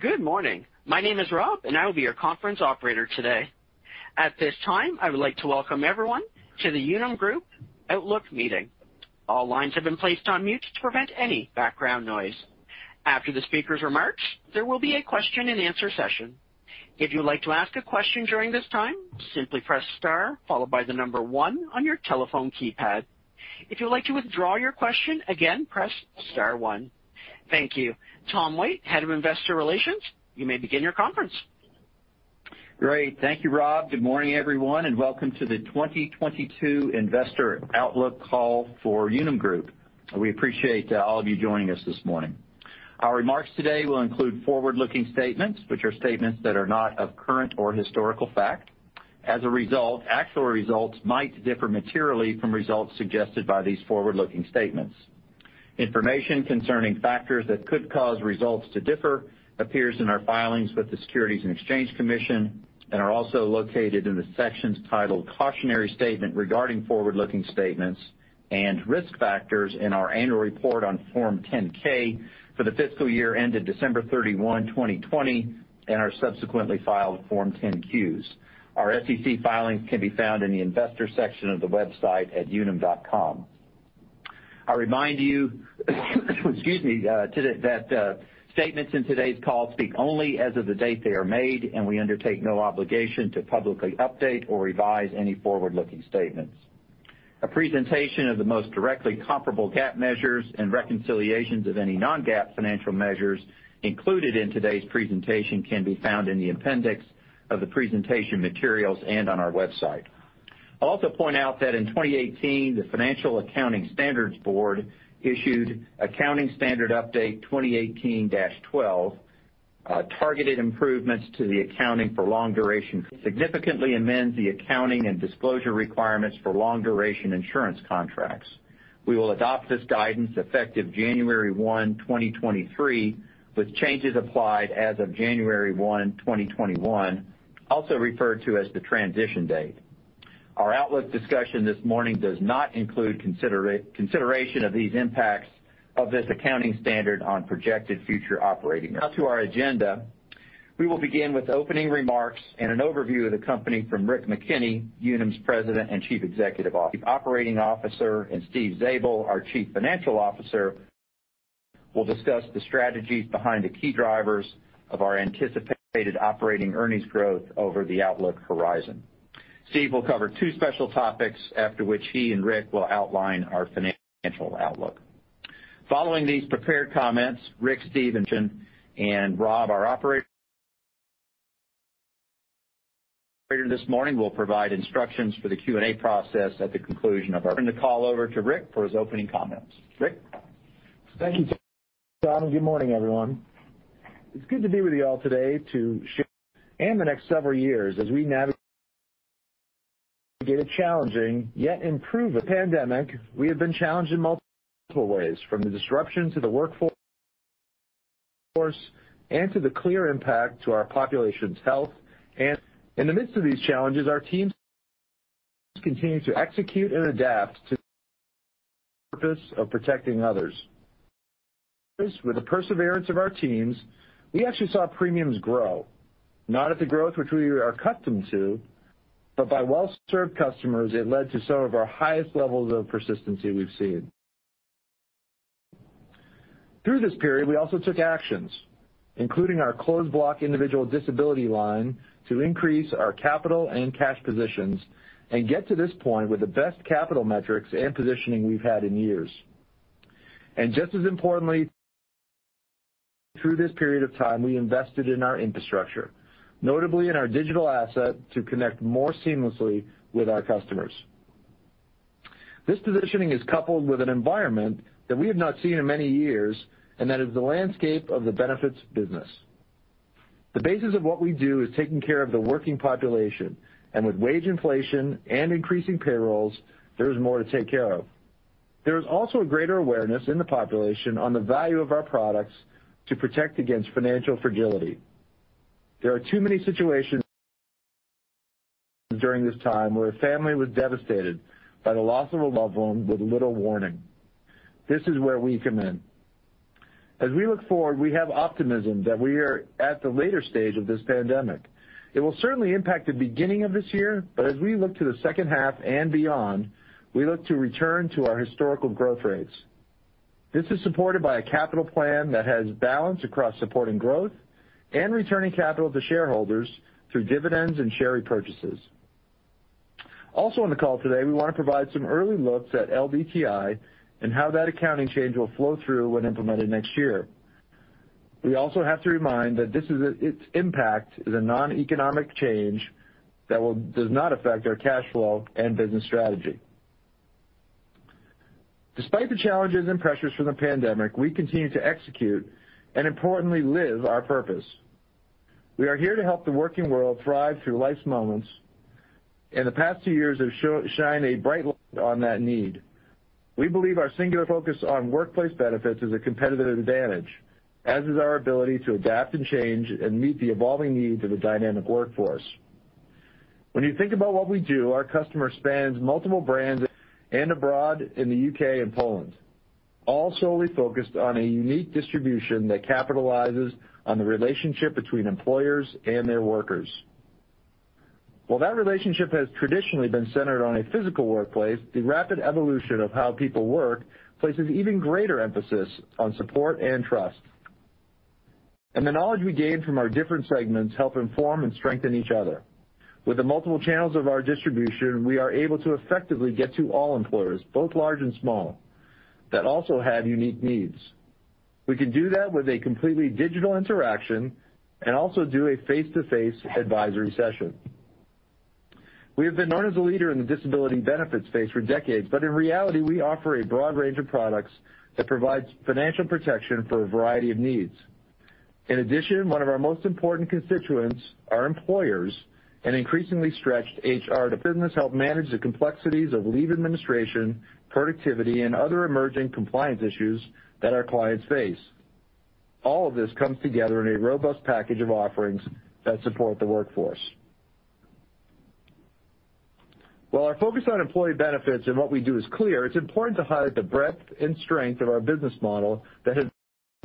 Good morning. My name is Rob, and I will be your conference operator today. At this time, I would like to welcome everyone to the Unum Group Outlook Meeting. All lines have been placed on mute to prevent any background noise. After the speaker's remarks, there will be a question-and-answer session. If you'd like to ask a question during this time, simply press star followed by the number one on your telephone keypad. If you'd like to withdraw your question, again, press star one. Thank you. Tom White, Head of Investor Relations, you may begin your conference. Great. Thank you, Rob. Good morning, everyone, and welcome to the 2022 Investor Outlook Call for Unum Group. We appreciate all of you joining us this morning. Our remarks today will include forward-looking statements, which are statements that are not of current or historical fact. As a result, actual results might differ materially from results suggested by these forward-looking statements. Information concerning factors that could cause results to differ appears in our filings with the Securities and Exchange Commission and are also located in the sections titled "Cautionary Statement Regarding Forward-Looking Statements and Risk Factors" in our annual report on Form 10-K for the fiscal year ended December 31, 2020, and our subsequently filed Form 10-Qs. Our SEC filings can be found in the investor section of the website at unum.com. I remind you that statements in today's call speak only as of the date they are made, and we undertake no obligation to publicly update or revise any forward-looking statements. A presentation of the most directly comparable GAAP measures and reconciliations of any non-GAAP financial measures included in today's presentation can be found in the appendix of the presentation materials and on our website. I'll also point out that in 2018, the Financial Accounting Standards Board issued Accounting Standards Update 2018-12, targeted improvements to the accounting for long-duration insurance contracts, which significantly amends the accounting and disclosure requirements for long-duration insurance contracts. We will adopt this guidance effective January 1, 2023, with changes applied as of January 1, 2021, also referred to as the transition date. Our outlook discussion this morning does not include consideration of these impacts of this accounting standard on projected future operating. Now to our agenda, we will begin with opening remarks and an overview of the company from Rick McKenney, Unum's President and Chief Executive Officer, and Steve Zabel, our Chief Financial Officer, will discuss the strategies behind the key drivers of our anticipated operating earnings growth over the outlook horizon. Steve will cover two special topics after which he and Rick will outline our financial outlook. Following these prepared comments, Rick, Steve, and Rob, our operator this morning, will provide instructions for the Q&A process at the conclusion. Turn the call over to Rick for his opening comments. Rick? Thank you, Tom, and good morning, everyone. It's good to be with you all today to share in the next several years as we navigate a challenging, yet improving pandemic. We have been challenged in multiple ways, from the disruption to the workforce and to the clear impact to our population's health. In the midst of these challenges, our teams continue to execute and adapt to the purpose of protecting others. With the perseverance of our teams, we actually saw premiums grow, not at the growth which we are accustomed to, but by well-served customers, it led to some of our highest levels of persistency we've seen. Through this period, we also took actions, including our closed block individual disability line to increase our capital and cash positions and get to this point with the best capital metrics and positioning we've had in years. Just as importantly, through this period of time, we invested in our infrastructure, notably in our digital asset, to connect more seamlessly with our customers. This positioning is coupled with an environment that we have not seen in many years, and that is the landscape of the benefits business. The basis of what we do is taking care of the working population, and with wage inflation and increasing payrolls, there is more to take care of. There is also a greater awareness in the population on the value of our products to protect against financial fragility. There are too many situations during this time where a family was devastated by the loss of a loved one with little warning. This is where we come in. As we look forward, we have optimism that we are at the later stage of this pandemic. It will certainly impact the beginning of this year, but as we look to the second half and beyond, we look to return to our historical growth rates. This is supported by a capital plan that has balance across supporting growth and returning capital to shareholders through dividends and share repurchases. Also on the call today, we want to provide some early looks at LDTI and how that accounting change will flow through when implemented next year. We also have to remind that its impact is a noneconomic change that does not affect our cash flow and business strategy. Despite the challenges and pressures from the pandemic, we continue to execute and importantly live our purpose. We are here to help the working world thrive through life's moments, and the past two years have shined a bright light on that need. We believe our singular focus on workplace benefits is a competitive advantage, as is our ability to adapt and change and meet the evolving needs of a dynamic workforce. When you think about what we do, our customer spans multiple brands and abroad in the U.K. and Poland, all solely focused on a unique distribution that capitalizes on the relationship between employers and their workers. While that relationship has traditionally been centered on a physical workplace, the rapid evolution of how people work places even greater emphasis on support and trust. The knowledge we gain from our different segments help inform and strengthen each other. With the multiple channels of our distribution, we are able to effectively get to all employers, both large and small, that also have unique needs. We can do that with a completely digital interaction and also do a face-to-face advisory session. We have been known as a leader in the disability benefits space for decades, but in reality, we offer a broad range of products that provides financial protection for a variety of needs. In addition, one of our most important constituents are employers and increasingly stretched HR teams to help businesses manage the complexities of leave administration, productivity, and other emerging compliance issues that our clients face. All of this comes together in a robust package of offerings that support the workforce. While our focus on employee benefits and what we do is clear, it's important to highlight the breadth and strength of our business model that has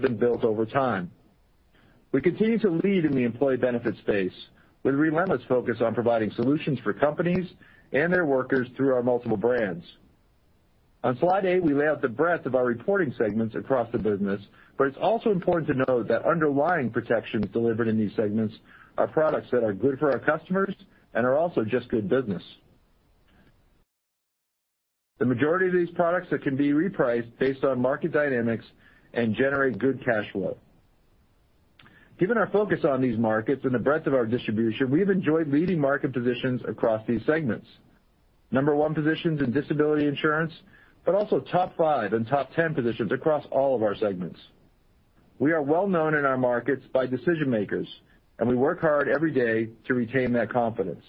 been built over time. We continue to lead in the employee benefit space with relentless focus on providing solutions for companies and their workers through our multiple brands. On slide 8, we lay out the breadth of our reporting segments across the business, but it's also important to note that underlying protections delivered in these segments are products that are good for our customers and are also just good business, the majority of these products that can be repriced based on market dynamics and generate good cash flow. Given our focus on these markets and the breadth of our distribution, we've enjoyed leading market positions across these segments, number one positions in disability insurance, but also top five and top 10 positions across all of our segments. We are well-known in our markets by decision-makers, and we work hard every day to retain that confidence.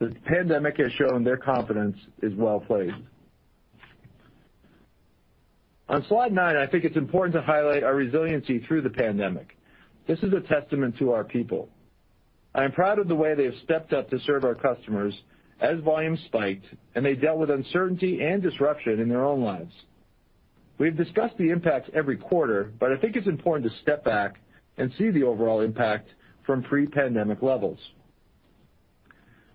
The pandemic has shown their confidence is well-placed. On slide nine, I think it's important to highlight our resiliency through the pandemic. This is a testament to our people. I am proud of the way they have stepped up to serve our customers as volumes spiked and they dealt with uncertainty and disruption in their own lives. We've discussed the impacts every quarter, but I think it's important to step back and see the overall impact from pre-pandemic levels.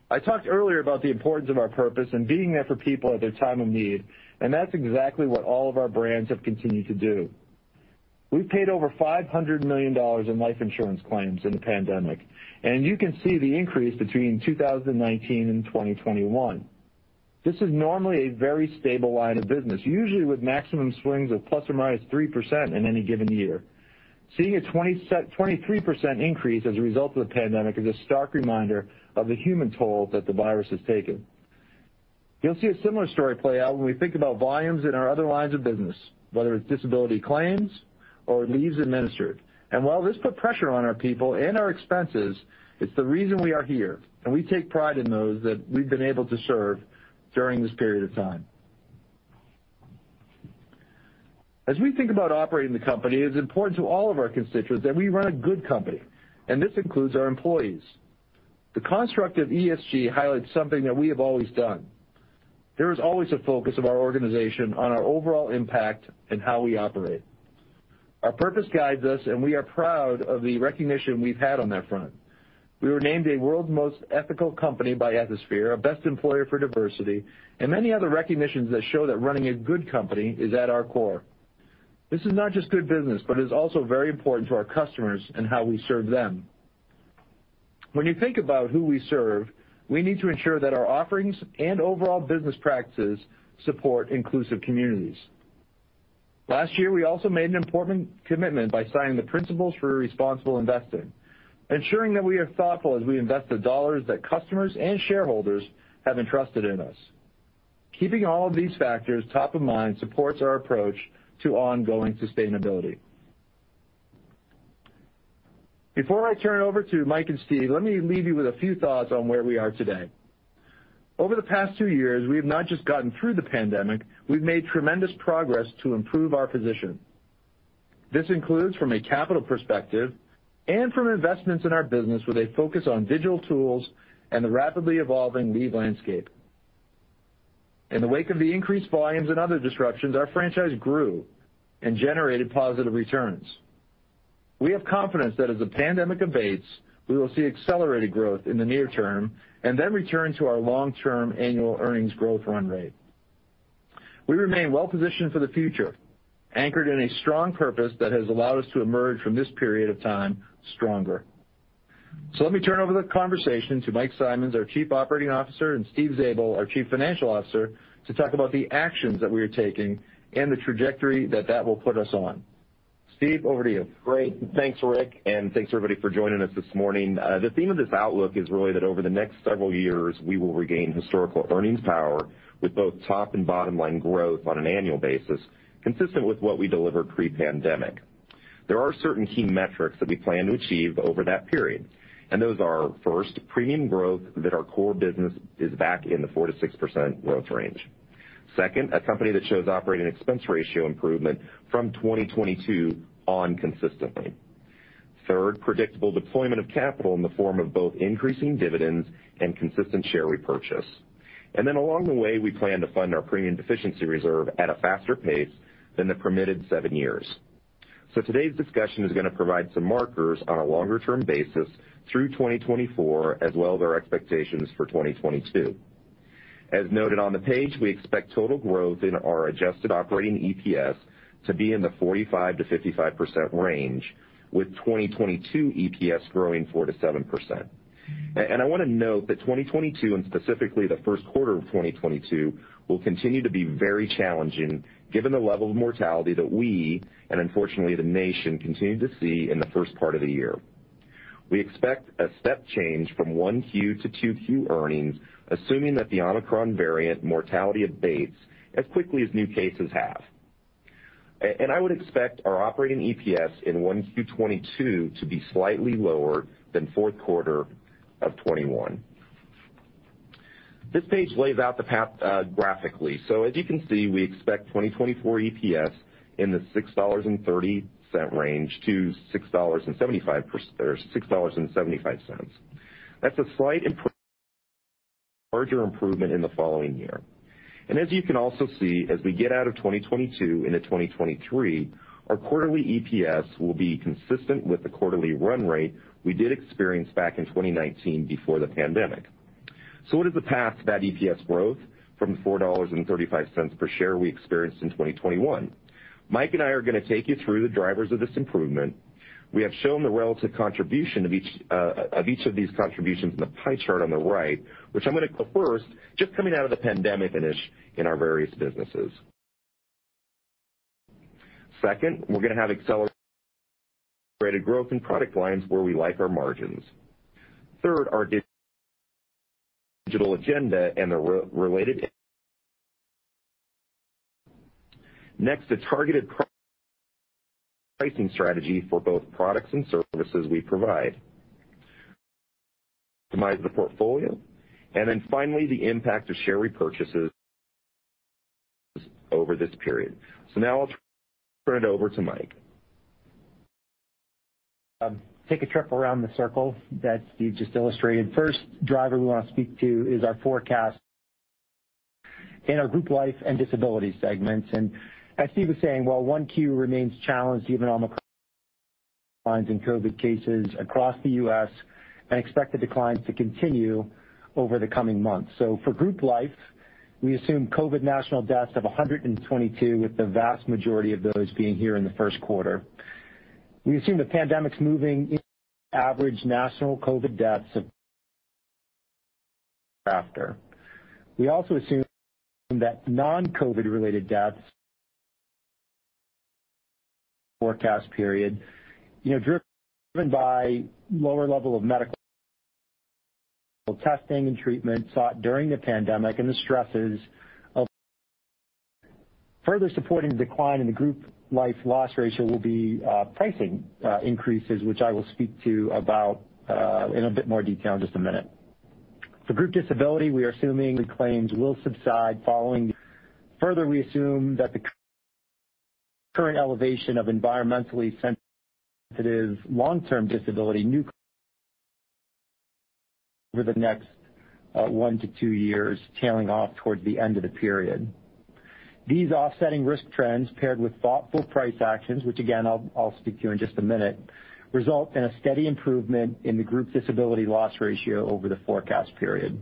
I talked earlier about the importance of our purpose and being there for people at their time of need, and that's exactly what all of our brands have continued to do. We paid over $500 million in life insurance claims in the pandemic, and you can see the increase between 2019 and 2021. This is normally a very stable line of business, usually with maximum swings of ±3% in any given year. Seeing a 23% increase of the pandemic is a stark reminder of the human toll that the virus has taken. You'll see a similar story play out when we think about volumes in our other lines of business, whether it's disability claims or leaves administered. While this put pressure on our people and our expenses, it's the reason we are here, and we take pride in those that we've been able to serve during this period of time. As we think about operating the company, it is important to all of our constituents that we run a good company, and this includes our employees. The construct of ESG highlights something that we have always done. There is always a focus of our organization on our overall impact and how we operate. Our purpose guides us, and we are proud of the recognition we've had on that front. We were named a World's Most Ethical Company by Ethisphere, a best employer for diversity, and many other recognitions that show that running a good company is at our core. This is not just good business, but it is also very important to our customers and how we serve them. When you think about who we serve, we need to ensure that our offerings and overall business practices support inclusive communities. Last year, we also made an important commitment by signing the Principles for Responsible Investment, ensuring that we are thoughtful as we invest the dollars that customers and shareholders have entrusted in us. Keeping all of these factors top of mind supports our approach to ongoing sustainability. Before I turn over to Mike and Steve, let me leave you with a few thoughts on where we are today. Over the past two years, we have not just gotten through the pandemic, we've made tremendous progress to improve our position. This includes from a capital perspective and from investments in our business with a focus on digital tools and the rapidly evolving leave landscape. In the wake of the increased volumes and other disruptions, our franchise grew and generated positive returns. We have confidence that as the pandemic abates, we will see accelerated growth in the near term and then return to our long-term annual earnings growth run rate. We remain well-positioned for the future, anchored in a strong purpose that has allowed us to emerge from this period of time stronger. Let me turn over the conversation to Mike Simonds, our Chief Operating Officer, and Steve Zabel, our Chief Financial Officer, to talk about the actions that we are taking and the trajectory that that will put us on. Steve, over to you. Great. Thanks, Rick, and thanks everybody for joining us this morning. The theme of this outlook is really that over the next several years, we will regain historical earnings power with both top and bottom-line growth on an annual basis, consistent with what we delivered pre-pandemic. There are certain key metrics that we plan to achieve over that period, and those are, first, premium growth that our core business is back in the 4%-6% growth range. Second, a company that shows operating expense ratio improvement from 2022 on consistently. Third, predictable deployment of capital in the form of both increasing dividends and consistent share repurchase. Along the way, we plan to fund our premium deficiency reserve at a faster pace than the permitted seven years. Today's discussion is gonna provide some markers on a longer-term basis through 2024 as well as our expectations for 2022. As noted on the page, we expect total growth in our adjusted operating EPS to be in the 45%-55% range with 2022 EPS growing 4%-7%. I wanna note that 2022, and specifically the first quarter of 2022, will continue to be very challenging given the level of mortality that we, and unfortunately the nation, continue to see in the first part of the year. We expect a step change from 1Q to 2Q earnings, assuming that the Omicron variant mortality abates as quickly as new cases have. I would expect our operating EPS in 1Q 2022 to be slightly lower than fourth quarter of 2021. This page lays out the path graphically. As you can see, we expect 2024 EPS in the $6.30-$6.75 range. That's a slight improvement, larger improvement in the following year. As you can also see, as we get out of 2022 into 2023, our quarterly EPS will be consistent with the quarterly run rate we did experience back in 2019 before the pandemic. What is the path to that EPS growth from $4.35 per share we experienced in 2021? Mike and I are gonna take you through the drivers of this improvement. We have shown the relative contribution of each of these contributions in the pie chart on the right which I'm gonna go first just coming out of the pandemic finish in our various businesses. Second, we're gonna have accelerated growth in product lines where we like our margins. Third, our digital agenda and the re-related. Next, a targeted pricing strategy for both products and services we provide. Customize the portfolio. Then finally, the impact of share repurchases over this period. Now I'll turn it over to Mike. Take a trip around the circle that Steve just illustrated. First driver we wanna speak to is our forecast in our Group Life and Disability segments. As Steve was saying, while Q1 remains challenged given Omicron, declines in COVID cases across the U.S., we expect the decline to continue over the coming months. For Group Life, we assume COVID national deaths of 122, with the vast majority of those being here in the first quarter. We assume the pandemic's moving average national COVID deaths of 50 after. We also assume that non-COVID related deaths in the forecast period, you know, driven by lower level of medical testing and treatment sought during the pandemic and the stresses of... Further supporting the decline in the Group Life loss ratio will be pricing increases, which I will speak to about in a bit more detail in just a minute. For Group Disability, we are assuming claims will subside following. Further, we assume that the current elevation of environmentally sensitive long-term disability new over the next one to two years, tailing off towards the end of the period. These offsetting risk trends paired with thoughtful price actions, which again, I'll speak to in just a minute, result in a steady improvement in the Group Disability loss ratio over the forecast period.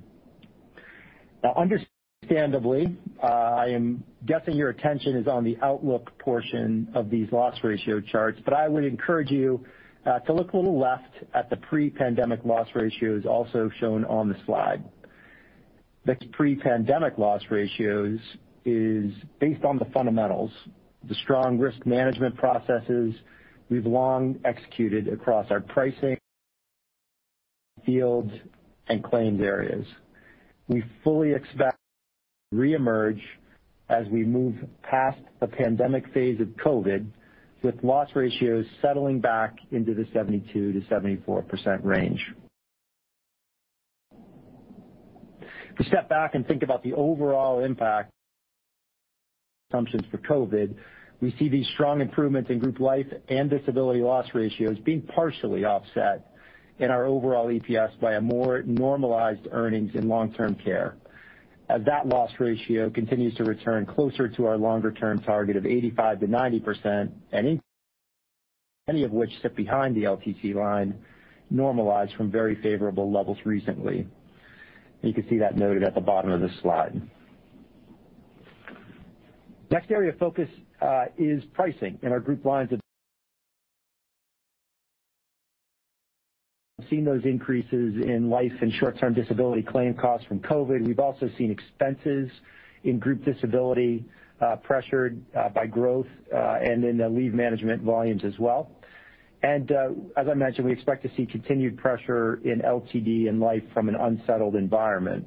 Now understandably, I am guessing your attention is on the outlook portion of these loss ratio charts, but I would encourage you to look a little left at the pre-pandemic loss ratios also shown on the slide. The pre-pandemic loss ratios are based on the fundamentals, the strong risk management processes we've long executed across our pricing field and claims areas. We fully expect them to reemerge as we move past the pandemic phase of COVID with loss ratios settling back into the 72%-74% range. To step back and think about the overall impact assumptions for COVID, we see these strong improvements in Group Life and Disability loss ratios being partially offset in our overall EPS by a more normalized earnings in long-term care. As that loss ratio continues to return closer to our longer-term target of 85%-90%, and anything which sits behind the LTC line normalized from very favorable levels recently. You can see that noted at the bottom of the slide. Next area of focus is pricing in our group lines. seen those increases in life and short-term disability claim costs from COVID. We've also seen expenses in Group Disability pressured by growth and in the leave management volumes as well. As I mentioned, we expect to see continued pressure in LTD and life from an unsettled environment.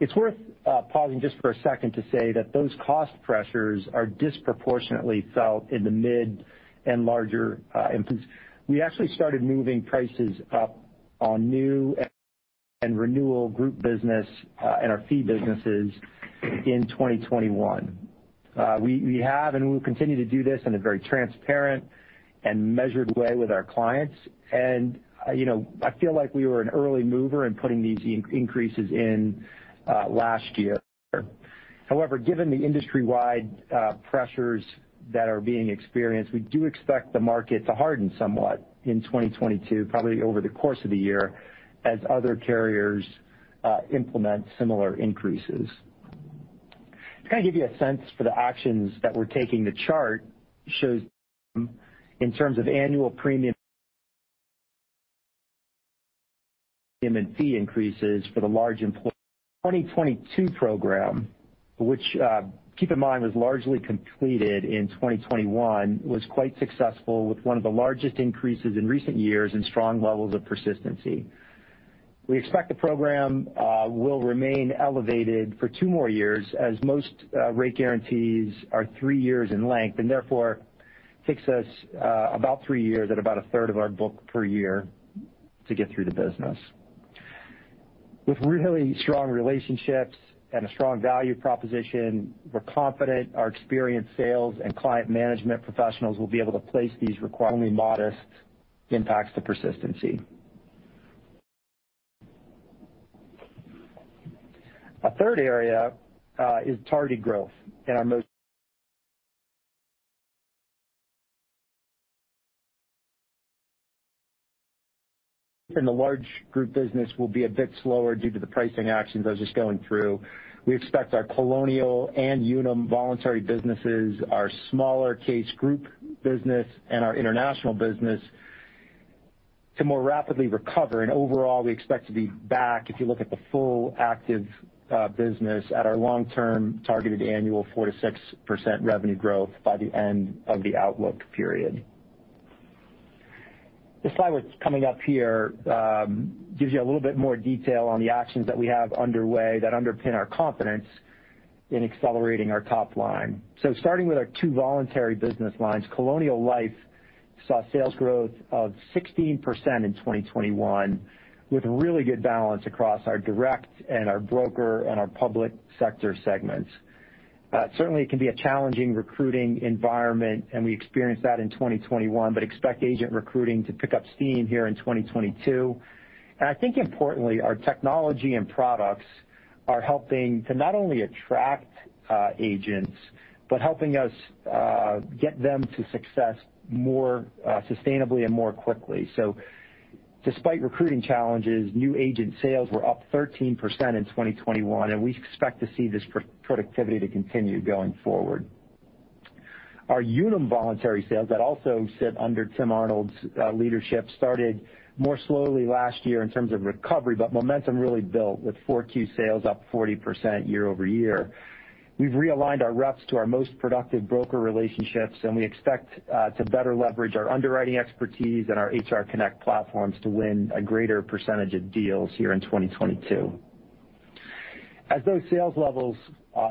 It's worth pausing just for a second to say that those cost pressures are disproportionately felt in the mid and larger entities. We actually started moving prices up on new and renewal group business and our fee businesses in 2021. We have and we'll continue to do this in a very transparent and measured way with our clients. You know, I feel like we were an early mover in putting these increases in last year. However, given the industry-wide pressures that are being experienced, we do expect the market to harden somewhat in 2022, probably over the course of the year as other carriers implement similar increases. To kind of give you a sense for the actions that we're taking, the chart shows in terms of annual premium and fee increases for the large employer 2022 program, which, keep in mind, was largely completed in 2021, was quite successful with one of the largest increases in recent years and strong levels of persistency. We expect the program will remain elevated for two more years as most rate guarantees are three years in length, and therefore takes us about three years at about a third of our book per year to get through the business. With really strong relationships and a strong value proposition, we're confident our experienced sales and client management professionals will be able to place these, requiring only modest impacts to persistency. A third area is targeted growth in the large group business will be a bit slower due to the pricing actions I was just going through. We expect our Colonial and Unum Voluntary businesses, our small case group business, and our international business to more rapidly recover. Overall, we expect to be back, if you look at the fully active business, at our long-term targeted annual 4%-6% revenue growth by the end of the outlook period. The slide that's coming up here gives you a little bit more detail on the actions that we have underway that underpin our confidence in accelerating our top line. Starting with our two voluntary business lines, Colonial Life saw sales growth of 16% in 2021 with really good balance across our direct and our broker and our public sector segments. Certainly it can be a challenging recruiting environment, and we experienced that in 2021, but expect agent recruiting to pick up steam here in 2022. I think importantly, our technology and products are helping to not only attract agents, but helping us get them to success more sustainably and more quickly. Despite recruiting challenges, new agent sales were up 13% in 2021, and we expect to see this productivity to continue going forward. Our Unum Voluntary sales that also sit under Tim Arnold's leadership started more slowly last year in terms of recovery, but momentum really built with 4Q sales up 40% year-over-year. We've realigned our reps to our most productive broker relationships, and we expect to better leverage our underwriting expertise and our HR Connect platforms to win a greater percentage of deals here in 2022. As those sales levels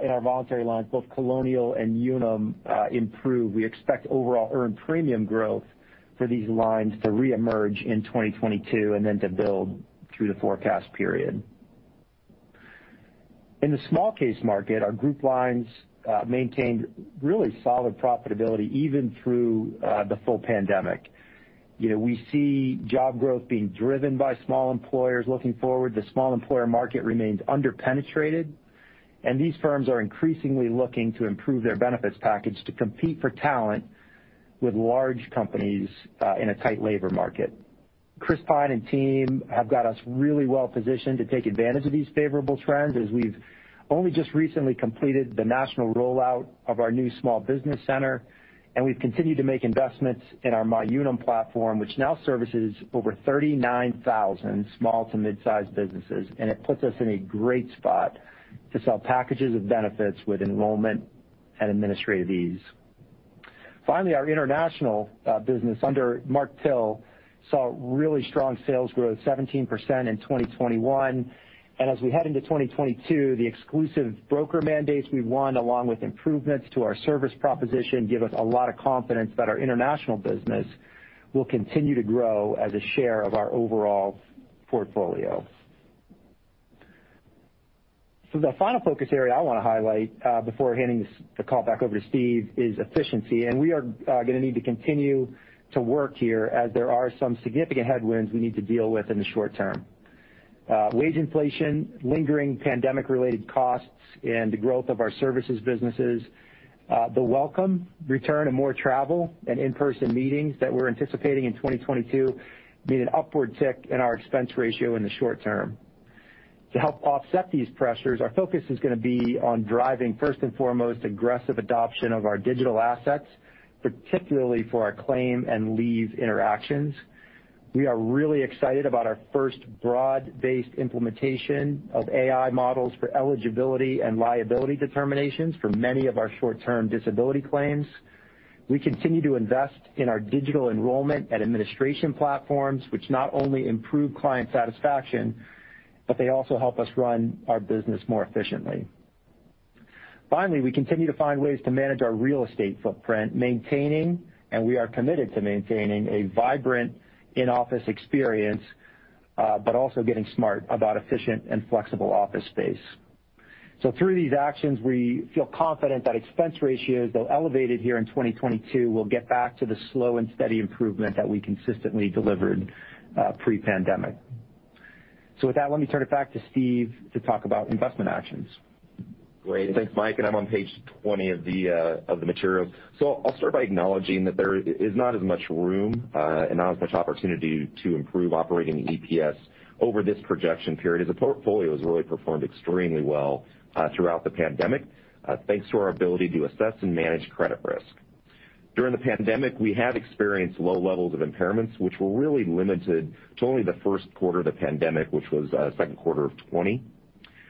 in our voluntary lines, both Colonial and Unum, improve, we expect overall earned premium growth for these lines to reemerge in 2022 and then to build through the forecast period. In the small case market, our group lines maintained really solid profitability even through the full pandemic. You know, we see job growth being driven by small employers looking forward. The small employer market remains under-penetrated, and these firms are increasingly looking to improve their benefits package to compete for talent with large companies in a tight labor market. Chris Pyne and team have got us really well positioned to take advantage of these favorable trends as we've only just recently completed the national rollout of our new Small Business Center, and we've continued to make investments in our MyUnum platform, which now services over 39,000 small to mid-sized businesses, and it puts us in a great spot to sell packages of benefits with enrollment and administrative ease. Finally, our International business under Mark Till saw really strong sales growth, 17% in 2021. As we head into 2022, the exclusive broker mandates we won, along with improvements to our service proposition, give us a lot of confidence that our international business will continue to grow as a share of our overall portfolio. The final focus area I want to highlight before handing the call back over to Steve is efficiency, and we are gonna need to continue to work here as there are some significant headwinds we need to deal with in the short term. Wage inflation, lingering pandemic-related costs, and the growth of our services businesses, the welcome return of more travel and in-person meetings that we're anticipating in 2022 mean an upward tick in our expense ratio in the short term. To help offset these pressures, our focus is gonna be on driving, first and foremost, aggressive adoption of our digital assets, particularly for our claim and leave interactions. We are really excited about our first broad-based implementation of AI models for eligibility and liability determinations for many of our short-term disability claims. We continue to invest in our digital enrollment and administration platforms, which not only improve client satisfaction, but they also help us run our business more efficiently. Finally, we continue to find ways to manage our real estate footprint while maintaining a vibrant in-office experience, but also getting smart about efficient and flexible office space. Through these actions, we feel confident that expense ratios, though elevated here in 2022, will get back to the slow and steady improvement that we consistently delivered pre-pandemic. With that, let me turn it back to Steve to talk about investment actions. Great. Thanks, Mike. I'm on page 20 of the materials. I'll start by acknowledging that there is not as much room and not as much opportunity to improve operating EPS over this projection period as the portfolio has really performed extremely well throughout the pandemic thanks to our ability to assess and manage credit risk. During the pandemic, we have experienced low levels of impairments which were really limited to only the first quarter of the pandemic, which was second quarter of 2020,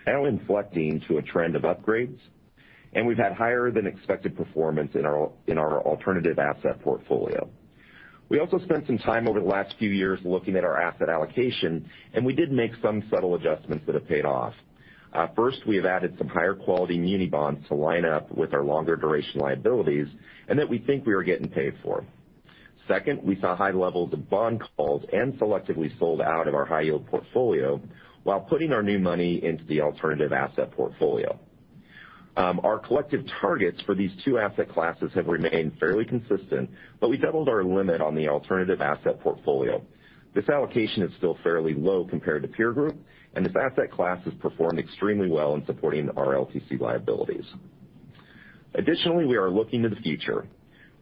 now inflecting to a trend of upgrades. We've had higher than expected performance in our alternative asset portfolio. We also spent some time over the last few years looking at our asset allocation, and we did make some subtle adjustments that have paid off. First, we have added some higher quality muni bonds to line up with our longer duration liabilities and that we think we are getting paid for. Second, we saw high levels of bond calls and selectively sold out of our high yield portfolio while putting our new money into the alternative asset portfolio. Our collective targets for these two asset classes have remained fairly consistent, but we doubled our limit on the alternative asset portfolio. This allocation is still fairly low compared to peer group, and this asset class has performed extremely well in supporting our LTC liabilities. Additionally, we are looking to the future.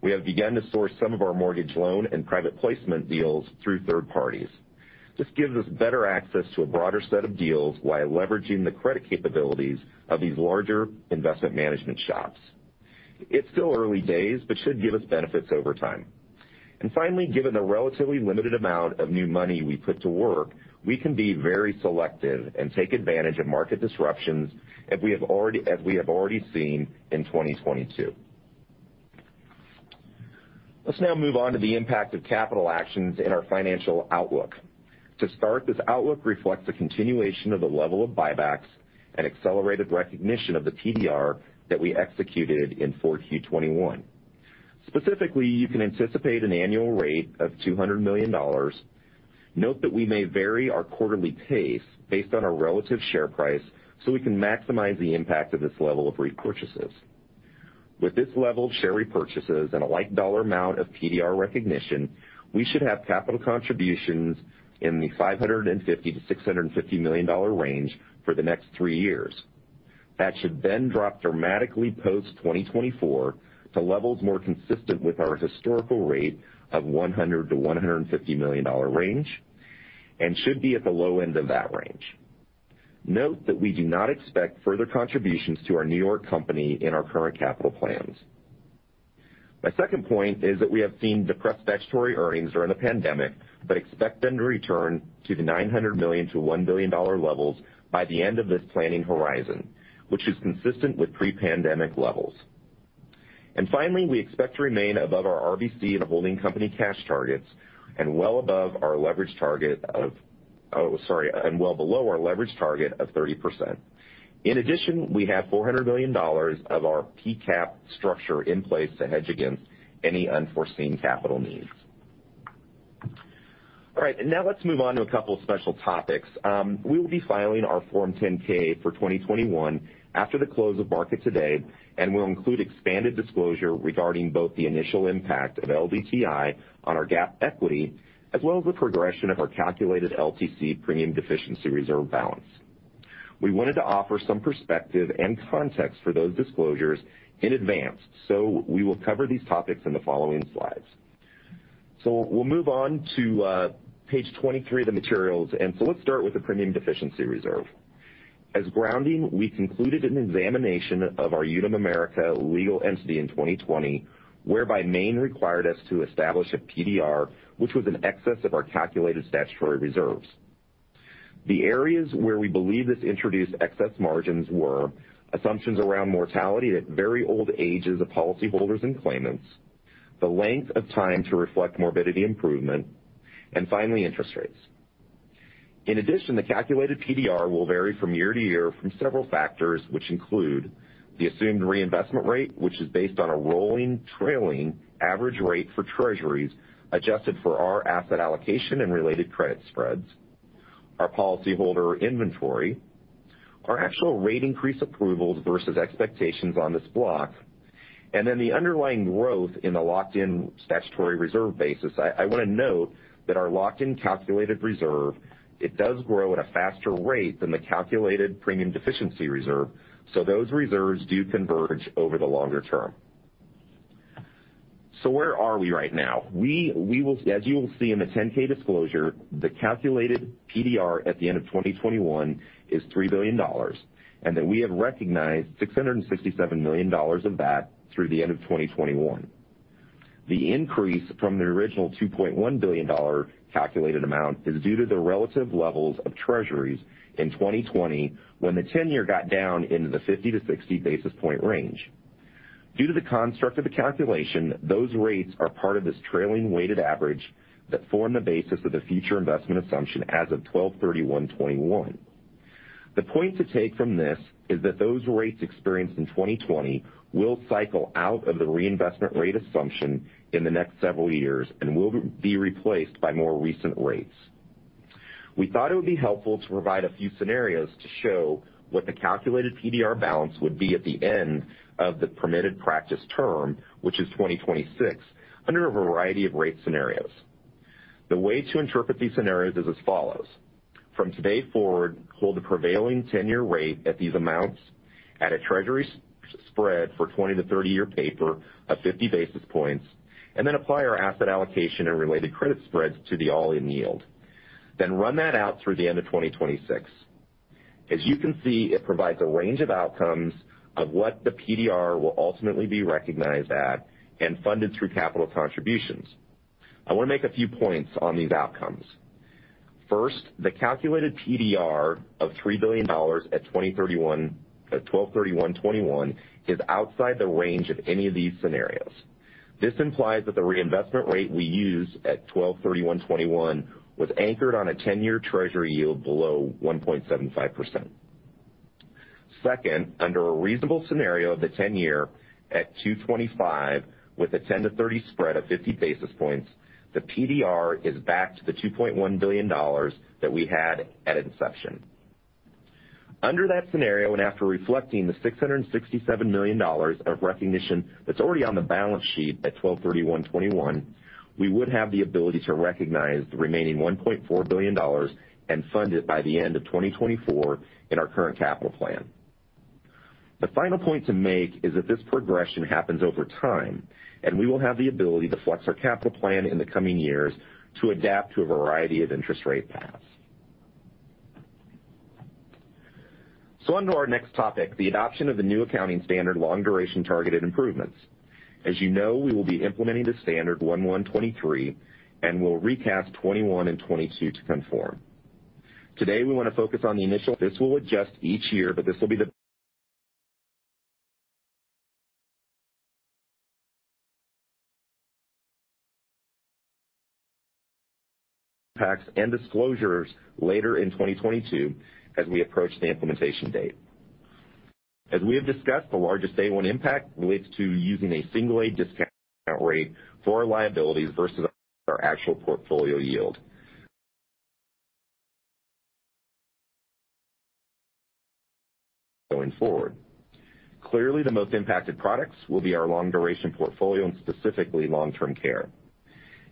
We have begun to source some of our mortgage loan and private placement deals through third parties. This gives us better access to a broader set of deals while leveraging the credit capabilities of these larger investment management shops. It's still early days, but should give us benefits over time. Finally, given the relatively limited amount of new money we put to work, we can be very selective and take advantage of market disruptions as we have already seen in 2022. Let's now move on to the impact of capital actions in our financial outlook. To start, this outlook reflects a continuation of the level of buybacks and accelerated recognition of the PDR that we executed in 4Q 2021. Specifically, you can anticipate an annual rate of $200 million. Note that we may vary our quarterly pace based on our relative share price, so we can maximize the impact of this level of repurchases. With this level of share repurchases and a like dollar amount of PDR recognition, we should have capital contributions in the $550 million-$650 million range for the next three years. That should then drop dramatically post-2024 to levels more consistent with our historical rate of $100 million-$150 million range and should be at the low end of that range. Note that we do not expect further contributions to our New York company in our current capital plans. My second point is that we have seen depressed statutory earnings during the pandemic, but expect them to return to the $900 million to $1 billion levels by the end of this planning horizon, which is consistent with pre-pandemic levels. Finally, we expect to remain above our RBC and holding company cash targets and well below our leverage target of 30%. In addition, we have $400 million of our P-Caps structure in place to hedge against any unforeseen capital needs. All right, now let's move on to a couple of special topics. We will be filing our Form 10-K for 2021 after the close of market today, and we'll include expanded disclosure regarding both the initial impact of LDTI on our GAAP equity, as well as the progression of our calculated LTC premium deficiency reserve balance. We wanted to offer some perspective and context for those disclosures in advance, so we will cover these topics in the following slides. We'll move on to page 23 of the materials. Let's start with the premium deficiency reserve. As grounding, we concluded an examination of our Unum America legal entity in 2020, whereby Maine required us to establish a PDR, which was in excess of our calculated statutory reserves. The areas where we believe this introduced excess margins were assumptions around mortality at very old ages of policyholders and claimants, the length of time to reflect morbidity improvement, and finally, interest rates. In addition, the calculated PDR will vary from year to year from several factors, which include the assumed reinvestment rate, which is based on a rolling trailing average rate for Treasuries, adjusted for our asset allocation and related credit spreads, our policyholder inventory, our actual rate increase approvals versus expectations on this block, and then the underlying growth in the locked-in statutory reserve basis. I want to note that our locked-in calculated reserve, it does grow at a faster rate than the calculated premium deficiency reserve, so those reserves do converge over the longer term. Where are we right now? We will see. As you will see in the 10-K disclosure, the calculated PDR at the end of 2021 is $3 billion, and that we have recognized $667 million of that through the end of 2021. The increase from the original $2.1 billion calculated amount is due to the relative levels of Treasuries in 2020 when the ten-year got down into the 50-60 basis point range. Due to the construct of the calculation, those rates are part of this trailing weighted average that form the basis of the future investment assumption as of 12/31/2021. The point to take from this is that those rates experienced in 2020 will cycle out of the reinvestment rate assumption in the next several years and will be replaced by more recent rates. We thought it would be helpful to provide a few scenarios to show what the calculated PDR balance would be at the end of the permitted practice term, which is 2026 under a variety of rate scenarios. The way to interpret these scenarios is as follows. From today forward, hold the prevailing 10-year rate at these amounts at a treasury spread for 20-30 year paper of 50 basis points, and then apply our asset allocation and related credit spreads to the all-in yield. Run that out through the end of 2026. As you can see, it provides a range of outcomes of what the PDR will ultimately be recognized at and funded through capital contributions. I want to make a few points on these outcomes. First, the calculated PDR of $3 billion at 12/31/2021 is outside the range of any of these scenarios. This implies that the reinvestment rate we use at 12/31/2021 was anchored on a ten-year treasury yield below 1.75%. Second, under a reasonable scenario of the ten-year at 2.25 with a 10-30 spread of 50 basis points, the PDR is back to the $2.1 billion that we had at inception. Under that scenario, and after reflecting the $667 million of recognition that's already on the balance sheet at 12/31/2021, we would have the ability to recognize the remaining $1.4 billion and fund it by the end of 2024 in our current capital plan. The final point to make is that this progression happens over time, and we will have the ability to flex our capital plan in the coming years to adapt to a variety of interest rate paths. On to our next topic, the adoption of the new accounting standard, Long Duration Targeted Improvements. As you know, we will be implementing the standard 1/1/2023, and we'll recast 2021 and 2022 to conform. Today, we want to focus on the initial. This will adjust each year, but this will be the Impacts and disclosures later in 2022 as we approach the implementation date. As we have discussed, the largest day one impact relates to using a single A discount rate for our liabilities versus our actual portfolio yield. Going forward. Clearly, the most impacted products will be our long duration portfolio and specifically long-term care.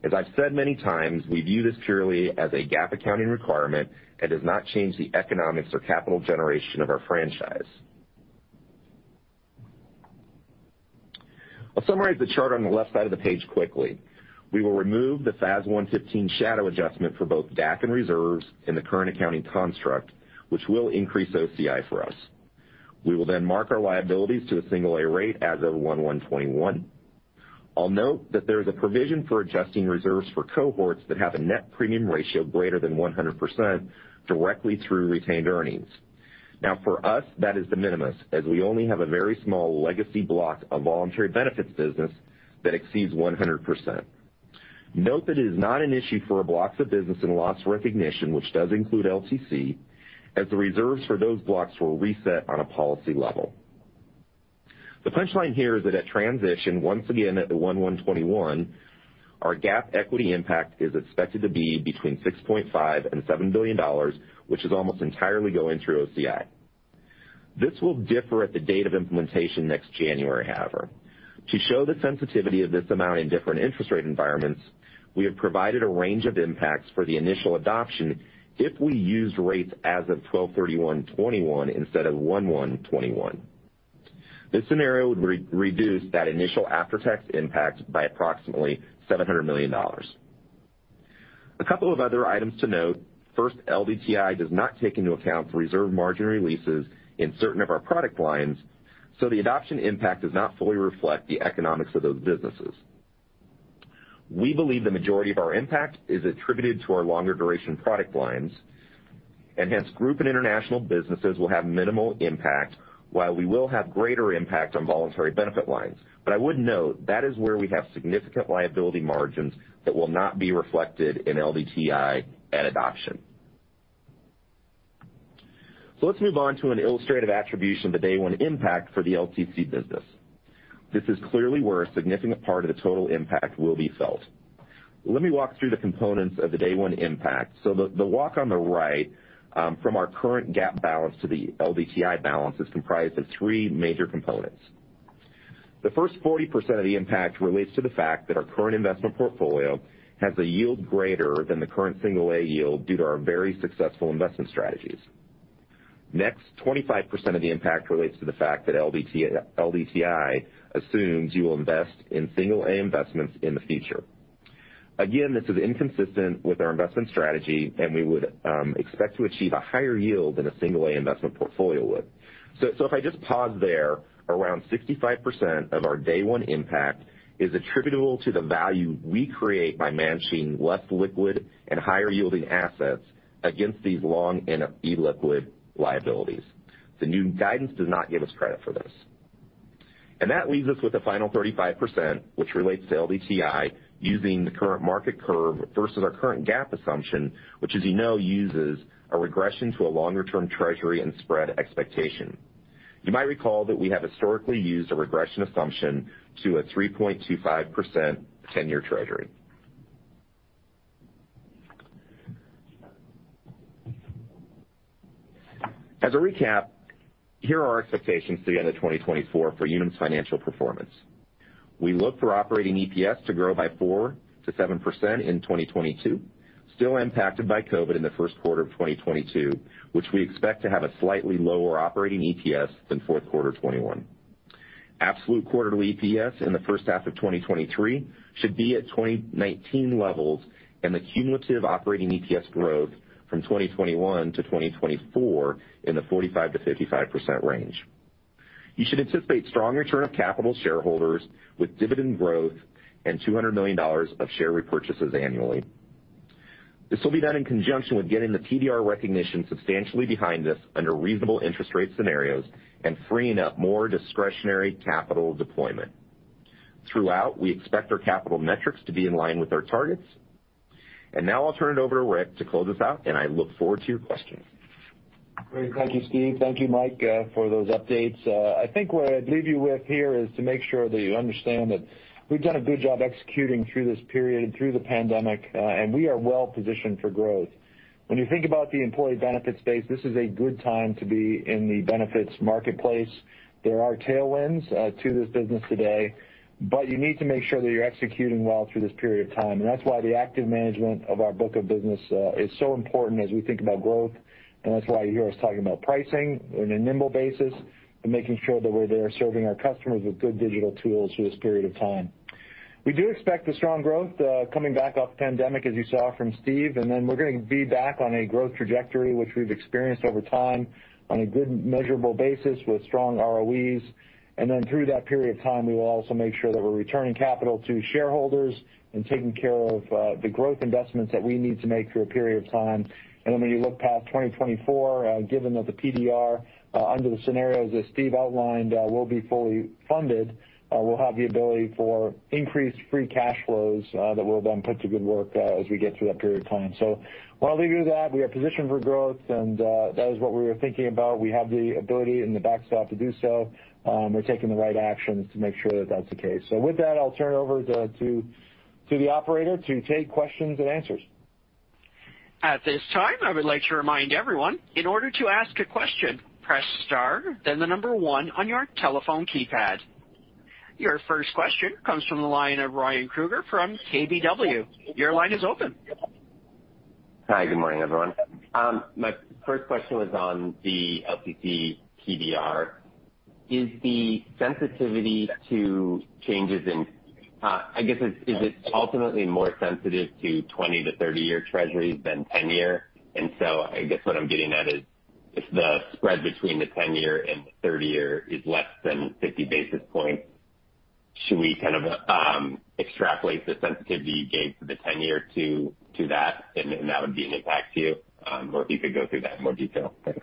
As I've said many times, we view this purely as a GAAP accounting requirement and does not change the economics or capital generation of our franchise. I'll summarize the chart on the left side of the page quickly. We will remove the FAS 115 shadow adjustment for both DAC and reserves in the current accounting construct, which will increase OCI for us. We will then mark our liabilities to a single A rate as of 1/1/2021. I'll note that there is a provision for adjusting reserves for cohorts that have a net premium ratio greater than 100% directly through retained earnings. Now, for us, that is de minimis, as we only have a very small legacy block of voluntary benefits business that exceeds 100%. Note that it is not an issue for our blocks of business and loss recognition, which does include LTC, as the reserves for those blocks were reset on a policy level. The punch line here is that at transition, once again at the 1/1/2021, our GAAP equity impact is expected to be between $6.5 billion and $7 billion, which is almost entirely going through OCI. This will differ at the date of implementation next January, however. To show the sensitivity of this amount in different interest rate environments, we have provided a range of impacts for the initial adoption if we used rates as of 12/31/2021 instead of 1/1/2021. This scenario would reduce that initial after-tax impact by approximately $700 million. A couple of other items to note. First, LDTI does not take into account reserve margin releases in certain of our product lines, so the adoption impact does not fully reflect the economics of those businesses. We believe the majority of our impact is attributed to our longer duration product lines, and hence Group and International businesses will have minimal impact while we will have greater impact on voluntary benefit lines. I would note that is where we have significant liability margins that will not be reflected in LDTI at adoption. Let's move on to an illustrative attribution of the day one impact for the LTC business. This is clearly where a significant part of the total impact will be felt. Let me walk through the components of the day one impact. The walk on the right from our current GAAP balance to the LDTI balance is comprised of three major components. The first 40% of the impact relates to the fact that our current investment portfolio has a yield greater than the current single A yield due to our very successful investment strategies. Next, 25% of the impact relates to the fact that LDTI assumes you will invest in single A investments in the future. Again, this is inconsistent with our investment strategy, and we would expect to achieve a higher yield than a single A investment portfolio would. If I just pause there, around 65% of our day one impact is attributable to the value we create by managing less liquid and higher-yielding assets against these long and illiquid liabilities. The new guidance does not give us credit for this. That leaves us with the final 35%, which relates to LDTI using the current market curve versus our current GAAP assumption, which, as you know, uses a regression to a longer-term Treasury and spread expectation. You might recall that we have historically used a regression assumption to a 3.25% 10-year Treasury. As a recap, here are our expectations through the end of 2024 for Unum's financial performance. We look for operating EPS to grow by 4%-7% in 2022, still impacted by COVID in the first quarter of 2022, which we expect to have a slightly lower operating EPS than fourth quarter 2021. Absolute quarterly EPS in the first half of 2023 should be at 2019 levels and the cumulative operating EPS growth from 2021-2024 in the 45%-55% range. You should anticipate strong return of capital to shareholders with dividend growth and $200 million of share repurchases annually. This will be done in conjunction with getting the PDR recognition substantially behind us under reasonable interest rate scenarios and freeing up more discretionary capital deployment. Throughout, we expect our capital metrics to be in line with our targets. Now I'll turn it over to Rick to close us out, and I look forward to your questions. Great. Thank you, Steve. Thank you, Mike, for those updates. I think what I'd leave you with here is to make sure that you understand that we've done a good job executing through this period, through the pandemic, and we are well positioned for growth. When you think about the employee benefits space, this is a good time to be in the benefits marketplace. There are tailwinds to this business today, but you need to make sure that you're executing well through this period of time, and that's why the active management of our book of business is so important as we think about growth. That's why you hear us talking about pricing on a nimble basis and making sure that we're there serving our customers with good digital tools through this period of time. We do expect strong growth coming back off the pandemic, as you saw from Steve, and then we're gonna be back on a growth trajectory, which we've experienced over time on a good measurable basis with strong ROEs. Through that period of time, we will also make sure that we're returning capital to shareholders and taking care of the growth investments that we need to make through a period of time. When you look past 2024, given that the PDR under the scenarios as Steve outlined will be fully funded, we'll have the ability for increased free cash flows that we'll then put to good work as we get through that period of time. While we do that, we are positioned for growth, and that is what we were thinking about. We have the ability and the backstop to do so. We're taking the right actions to make sure that that's the case. With that, I'll turn it over to the operator to take questions and answers. At this time, I would like to remind everyone, in order to ask a question, press star then the number one on your telephone keypad. Your first question comes from the line of Ryan Krueger from KBW. Your line is open. Hi. Good morning, everyone. My first question was on the LTC PDR. Is the sensitivity to changes in, I guess it's, is it ultimately more sensitive to 20-30 year Treasuries than 10-year? I guess what I'm getting at is, if the spread between the 10-year and the 30-year is less than 50 basis points, should we kind of extrapolate the sensitivity you gave for the 10-year to that and that would be an impact to you? Or if you could go through that in more detail. Thanks.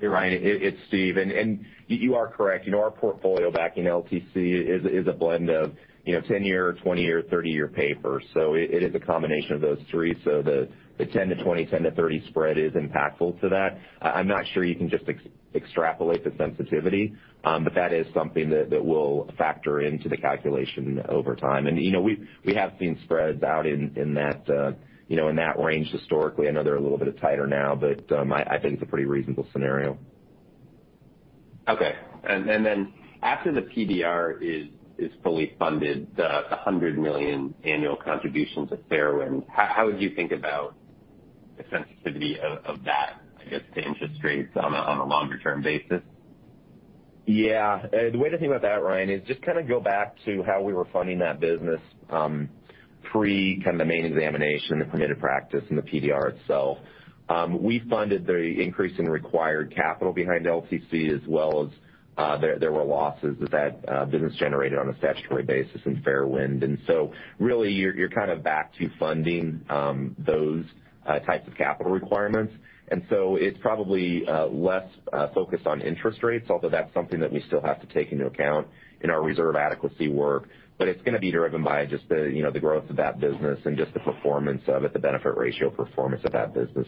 Yeah, Ryan, it's Steve. You are correct. You know, our portfolio back in LTC is a blend of, you know, 10-year, 20-year, 30-year paper. It is a combination of those three. The 10-20, 10-30 spread is impactful to that. I'm not sure you can just extrapolate the sensitivity, but that is something that we'll factor into the calculation over time. You know, we have seen spreads out in that range historically. I know they're a little bit tighter now, but I think it's a pretty reasonable scenario. Okay. After the PDR is fully funded, the $100 million annual contributions of FairWind, how would you think about the sensitivity of that, I guess, to interest rates on a longer-term basis? Yeah. The way to think about that, Ryan, is just kind of go back to how we were funding that business, pre kind of the main examination and permitted practice and the PDR itself. We funded the increase in required capital behind LTC as well as, there were losses that that business generated on a statutory basis in FairWind. Really you're kind of back to funding those types of capital requirements. It's probably less focused on interest rates, although that's something that we still have to take into account in our reserve adequacy work. It's gonna be driven by just the, you know, the growth of that business and just the performance of it, the benefit ratio performance of that business.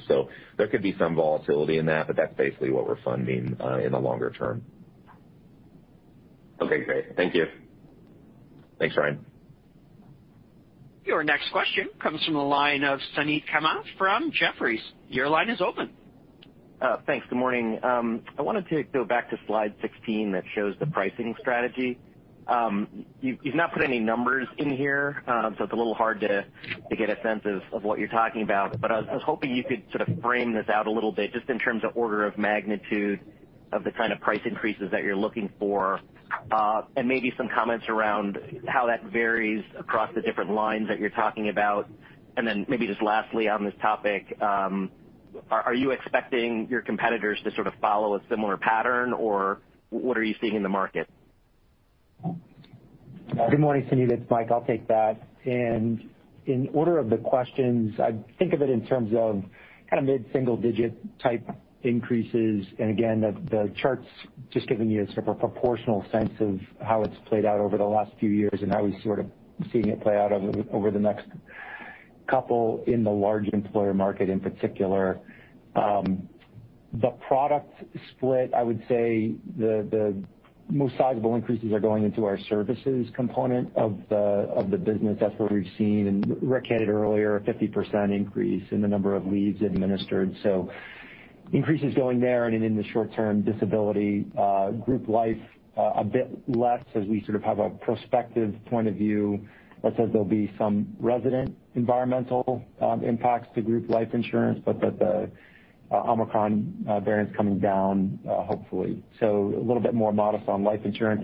There could be some volatility in that, but that's basically what we're funding in the longer term. Okay, great. Thank you. Thanks, Ryan. Your next question comes from the line of Suneet Kamath from Jefferies. Your line is open. Thanks. Good morning. I wanted to go back to slide 16 that shows the pricing strategy. You've not put any numbers in here, so it's a little hard to get a sense of what you're talking about. I was hoping you could sort of frame this out a little bit just in terms of order of magnitude of the kind of price increases that you're looking for, and maybe some comments around how that varies across the different lines that you're talking about. Maybe just lastly on this topic, are you expecting your competitors to sort of follow a similar pattern, or what are you seeing in the market? Good morning, Suneet, it's Mike. I'll take that. In order of the questions, I'd think of it in terms of kind of mid-single digit type increases. Again, the chart's just giving you a sort of a proportional sense of how it's played out over the last few years and how he's sort of seeing it play out over the next couple in the large employer market in particular. The product split, I would say the most sizable increases are going into our services component of the business. That's where we've seen, and Rick had it earlier, a 50% increase in the number of lives administered. Increases going there, and in the short term disability, group life a bit less as we sort of have a prospective point of view that says there'll be some residual environmental impacts to group life insurance, but that the Omicron variant's coming down, hopefully. A little bit more modest on life insurance.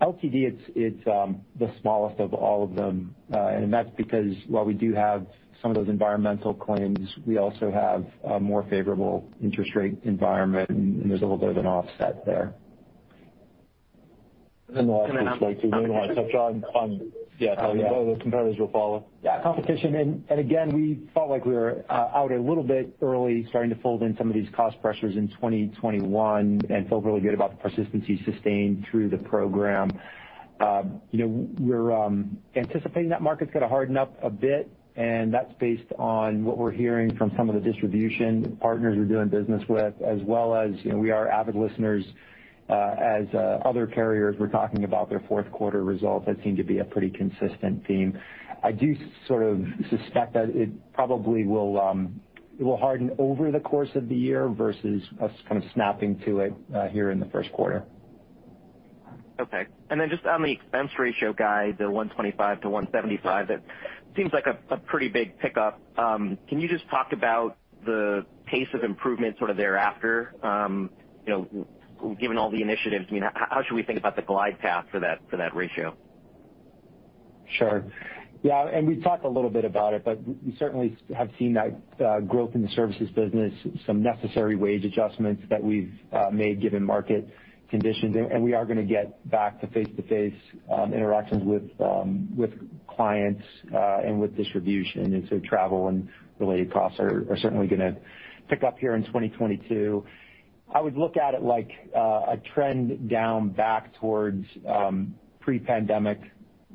LTD, it's the smallest of all of them, and that's because while we do have some of those environmental claims, we also have a more favorable interest rate environment, and there's a little bit of an offset there. I'll switch right to you, Mike, on, yeah, tell me about it. The competitors will follow. Yeah, competition. Again, we felt like we were out a little bit early starting to fold in some of these cost pressures in 2021 and feel really good about the persistency sustained through the program. You know, we're anticipating that market's gonna harden up a bit, and that's based on what we're hearing from some of the distribution partners we're doing business with. As well as, you know, we are avid listeners as other carriers were talking about their fourth quarter results, that seemed to be a pretty consistent theme. I do sort of suspect that it probably will harden over the course of the year versus us kind of snapping to it here in the first quarter. Okay. Then just on the expense ratio guide, the 125-175, it seems like a pretty big pickup. Can you just talk about the pace of improvement sort of thereafter, you know, given all the initiatives? I mean, how should we think about the glide path for that ratio? Sure. Yeah, we've talked a little bit about it, but we certainly have seen that growth in the services business, some necessary wage adjustments that we've made given market conditions. We are gonna get back to face-to-face interactions with clients and with distribution. Travel and related costs are certainly gonna pick up here in 2022. I would look at it like a trend down back towards pre-pandemic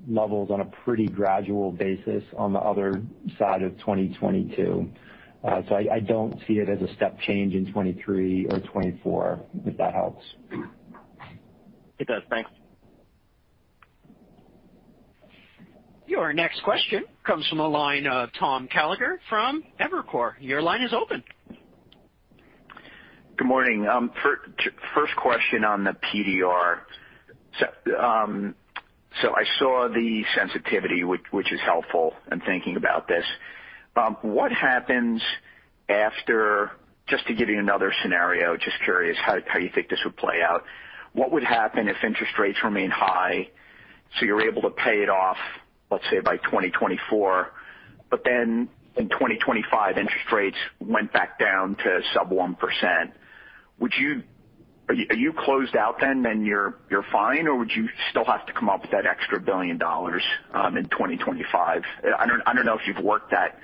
levels on a pretty gradual basis on the other side of 2022. I don't see it as a step change in 2023 or 2024, if that helps. It does. Thanks. Your next question comes from the line of Tom Gallagher from Evercore. Your line is open. Good morning. First question on the PDR. I saw the sensitivity, which is helpful in thinking about this. What happens after. Just to give you another scenario, just curious how you think this would play out. What would happen if interest rates remain high, so you're able to pay it off, let's say, by 2024, but then in 2025, interest rates went back down to sub-1%? Are you closed out then, you're fine? Or would you still have to come up with that extra $1 billion in 2025? I don't know if you've worked that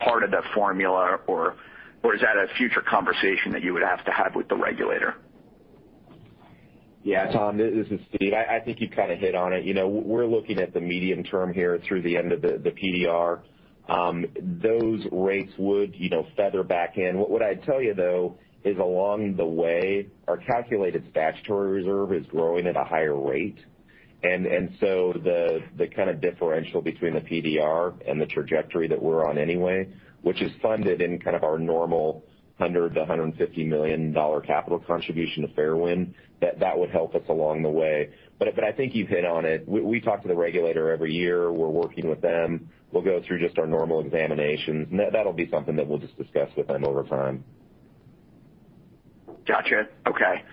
part of the formula or is that a future conversation that you would have to have with the regulator? Yeah, Tom, this is Steve. I think you kind of hit on it. You know, we're looking at the medium term here through the end of the PDR. Those rates would, you know, feather back in. What I'd tell you, though, is along the way, our calculated statutory reserve is growing at a higher rate. So the kind of differential between the PDR and the trajectory that we're on anyway, which is funded in kind of our normal $100 million-$150 million capital contribution to Fairwind, that would help us along the way. I think you've hit on it. We talk to the regulator every year. We're working with them. We'll go through just our normal examinations, and that'll be something that we'll just discuss with them over time. Gotcha. Okay.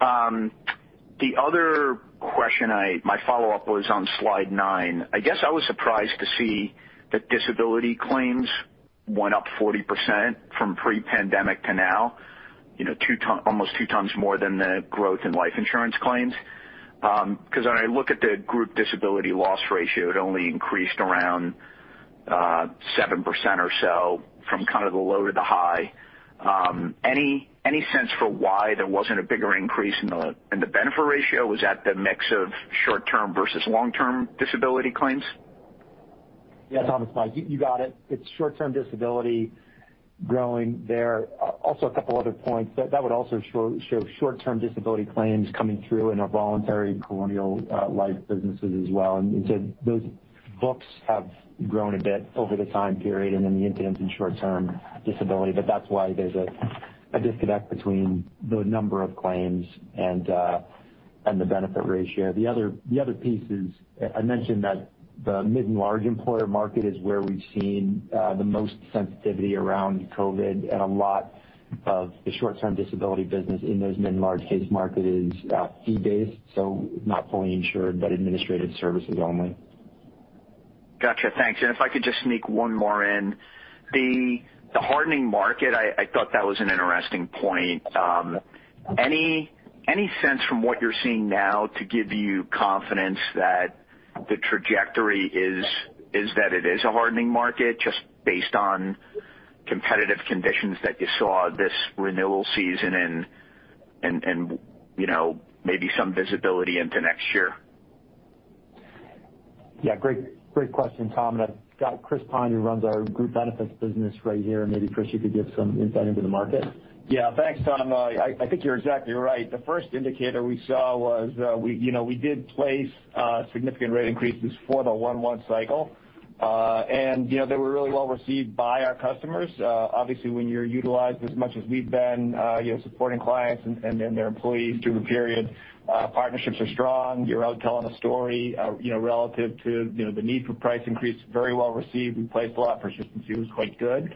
The other question my follow-up was on slide nine. I guess I was surprised to see that disability claims went up 40% from pre-pandemic to now. You know, almost 2x more than the growth in life insurance claims. 'Cause when I look at the group disability loss ratio, it only increased around 7% or so from kind of the low to the high. Any sense for why there wasn't a bigger increase in the benefit ratio? Was that the mix of short-term versus long-term disability claims? Yeah, Tom, it's Mike. You got it. It's short-term disability growing there. Also a couple other points. That would also show short-term disability claims coming through in our voluntary Colonial Life businesses as well. Those books have grown a bit over the time period, and then the incidence in short-term disability. But that's why there's a disconnect between the number of claims and the benefit ratio. The other piece is I mentioned that the mid and large employer market is where we've seen the most sensitivity around COVID. A lot of the short-term disability business in those mid and large case market is fee-based, so not fully insured, but administrative services only. Gotcha. Thanks. If I could just sneak one more in. The hardening market, I thought that was an interesting point. Any sense from what you're seeing now to give you confidence that the trajectory is that it is a hardening market just based on competitive conditions that you saw this renewal season and you know, maybe some visibility into next year? Yeah, great question, Tom. I've got Chris Pyne, who runs our Group Benefits business right here, and maybe Chris, you could give some insight into the market. Yeah. Thanks, Tom. I think you're exactly right. The first indicator we saw was, we, you know, we did place significant rate increases for the one one cycle. And, you know, they were really well received by our customers. Obviously, when you're utilized as much as we've been, you know, supporting clients and then their employees through the period, partnerships are strong. You're out telling a story, you know, relative to, you know, the need for price increase, very well received. We placed a lot, persistency was quite good.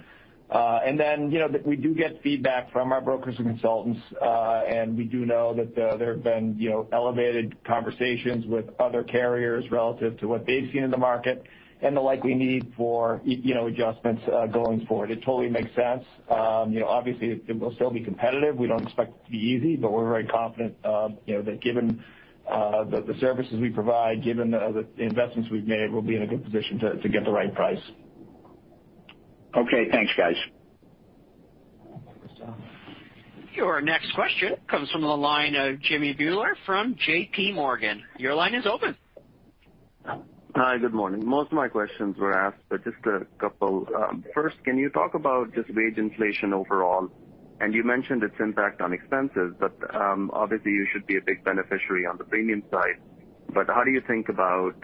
And then, you know, we do get feedback from our brokers and consultants, and we do know that, there have been, you know, elevated conversations with other carriers relative to what they've seen in the market and the likely need for, you know, adjustments, going forward. It totally makes sense. You know, obviously it will still be competitive. We don't expect it to be easy, but we're very confident, you know, that given the services we provide, given the investments we've made, we'll be in a good position to get the right price. Okay. Thanks, guys. Thanks, Tom. Your next question comes from the line of Jimmy Bhullar from JPMorgan. Your line is open. Hi, good morning. Most of my questions were asked, but just a couple. First, can you talk about just wage inflation overall? You mentioned its impact on expenses, but obviously you should be a big beneficiary on the premium side. How do you think about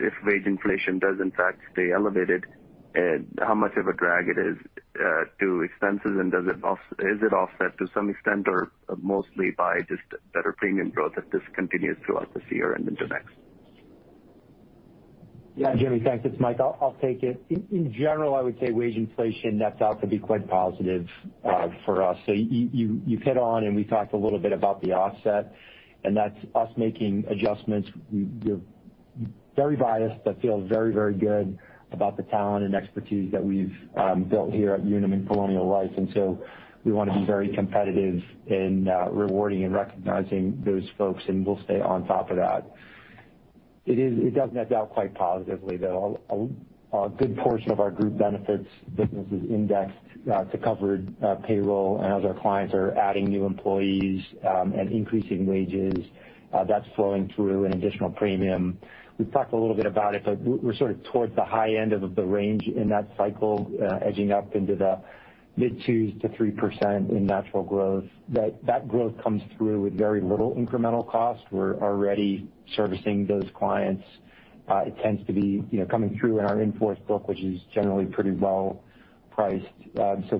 if wage inflation does in fact stay elevated, how much of a drag it is to expenses? Is it offset to some extent or mostly by just better premium growth if this continues throughout this year and into next? Yeah, Jimmy, thanks. It's Mike. I'll take it. In general, I would say wage inflation nets out to be quite positive for us. You hit on and we talked a little bit about the offset, and that's us making adjustments. We're very biased, but feel very good about the talent and expertise that we've built here at Unum and Colonial Life. We want to be very competitive in rewarding and recognizing those folks, and we'll stay on top of that. It does net out quite positively, though. A good portion of our Group Benefits business is indexed to covered payroll. As our clients are adding new employees and increasing wages, that's flowing through in additional premium. We've talked a little bit about it, but we're sort of towards the high end of the range in that cycle, edging up into the mid-2%-3% in natural growth. That growth comes through with very little incremental cost. We're already servicing those clients. It tends to be, you know, coming through in our in-force book, which is generally pretty well priced.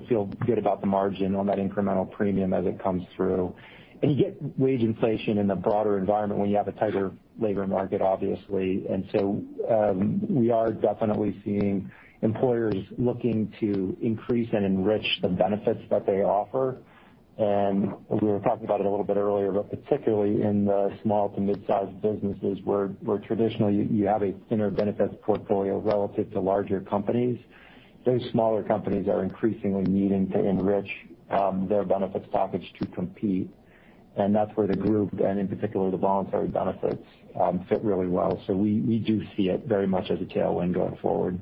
Feel good about the margin on that incremental premium as it comes through. You get wage inflation in the broader environment when you have a tighter labor market, obviously. We are definitely seeing employers looking to increase and enrich the benefits that they offer. We were talking about it a little bit earlier, but particularly in the small to mid-sized businesses where traditionally you have a thinner benefits portfolio relative to larger companies, those smaller companies are increasingly needing to enrich their benefits package to compete. That's where the group, and in particular the voluntary benefits, fit really well. We do see it very much as a tailwind going forward.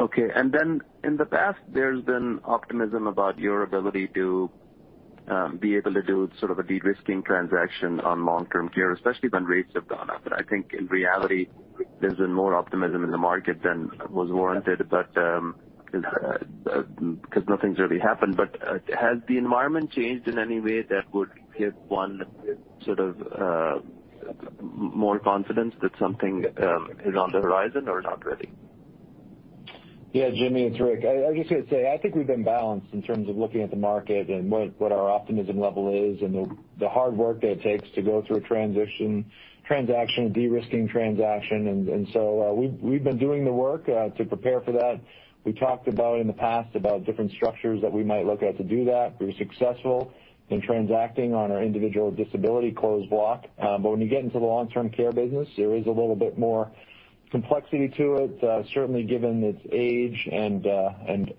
Okay. Then in the past, there's been optimism about your ability to be able to do sort of a de-risking transaction on long-term care, especially when rates have gone up. I think in reality, there's been more optimism in the market than was warranted, but because nothing's really happened. Has the environment changed in any way that would give one sort of more confidence that something is on the horizon or not really? Yeah, Jimmy, it's Rick. I was just gonna say, I think we've been balanced in terms of looking at the market and what our optimism level is and the hard work that it takes to go through a transition, transaction, de-risking transaction. We've been doing the work to prepare for that. We talked about in the past about different structures that we might look at to do that. We were successful in transacting on our individual disability closed block. But when you get into the long-term care business, there is a little bit more complexity to it, certainly given its age and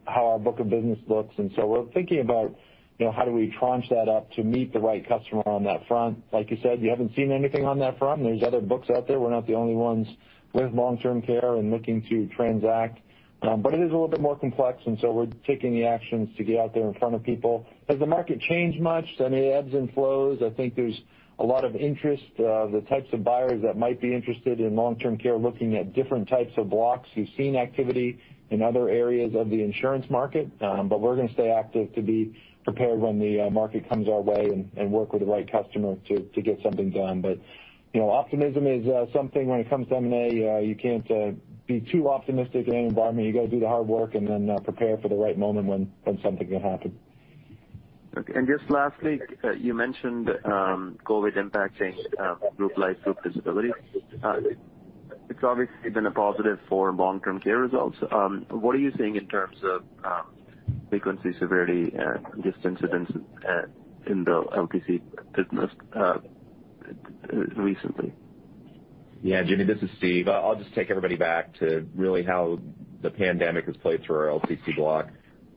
how our book of business looks. We're thinking about, you know, how do we tranche that up to meet the right customer on that front? Like you said, you haven't seen anything on that front. There's other books out there. We're not the only ones with long-term care and looking to transact. It is a little bit more complex, and so we're taking the actions to get out there in front of people. Has the market changed much? I mean, it ebbs and flows. I think there's a lot of interest, the types of buyers that might be interested in long-term care, looking at different types of blocks. We've seen activity in other areas of the insurance market, but we're gonna stay active to be prepared when the market comes our way and work with the right customer to get something done. You know, optimism is something when it comes to M&A, you can't be too optimistic in any environment. You got to do the hard work and then prepare for the right moment when something can happen. Okay. Just lastly, you mentioned COVID impacting group life, group disability. It's obviously been a positive for long-term care results. What are you seeing in terms of frequency, severity, and just incidents in the LTC business recently. Yeah, Jimmy, this is Steve. I'll just take everybody back to really how the pandemic has played through our LTC block.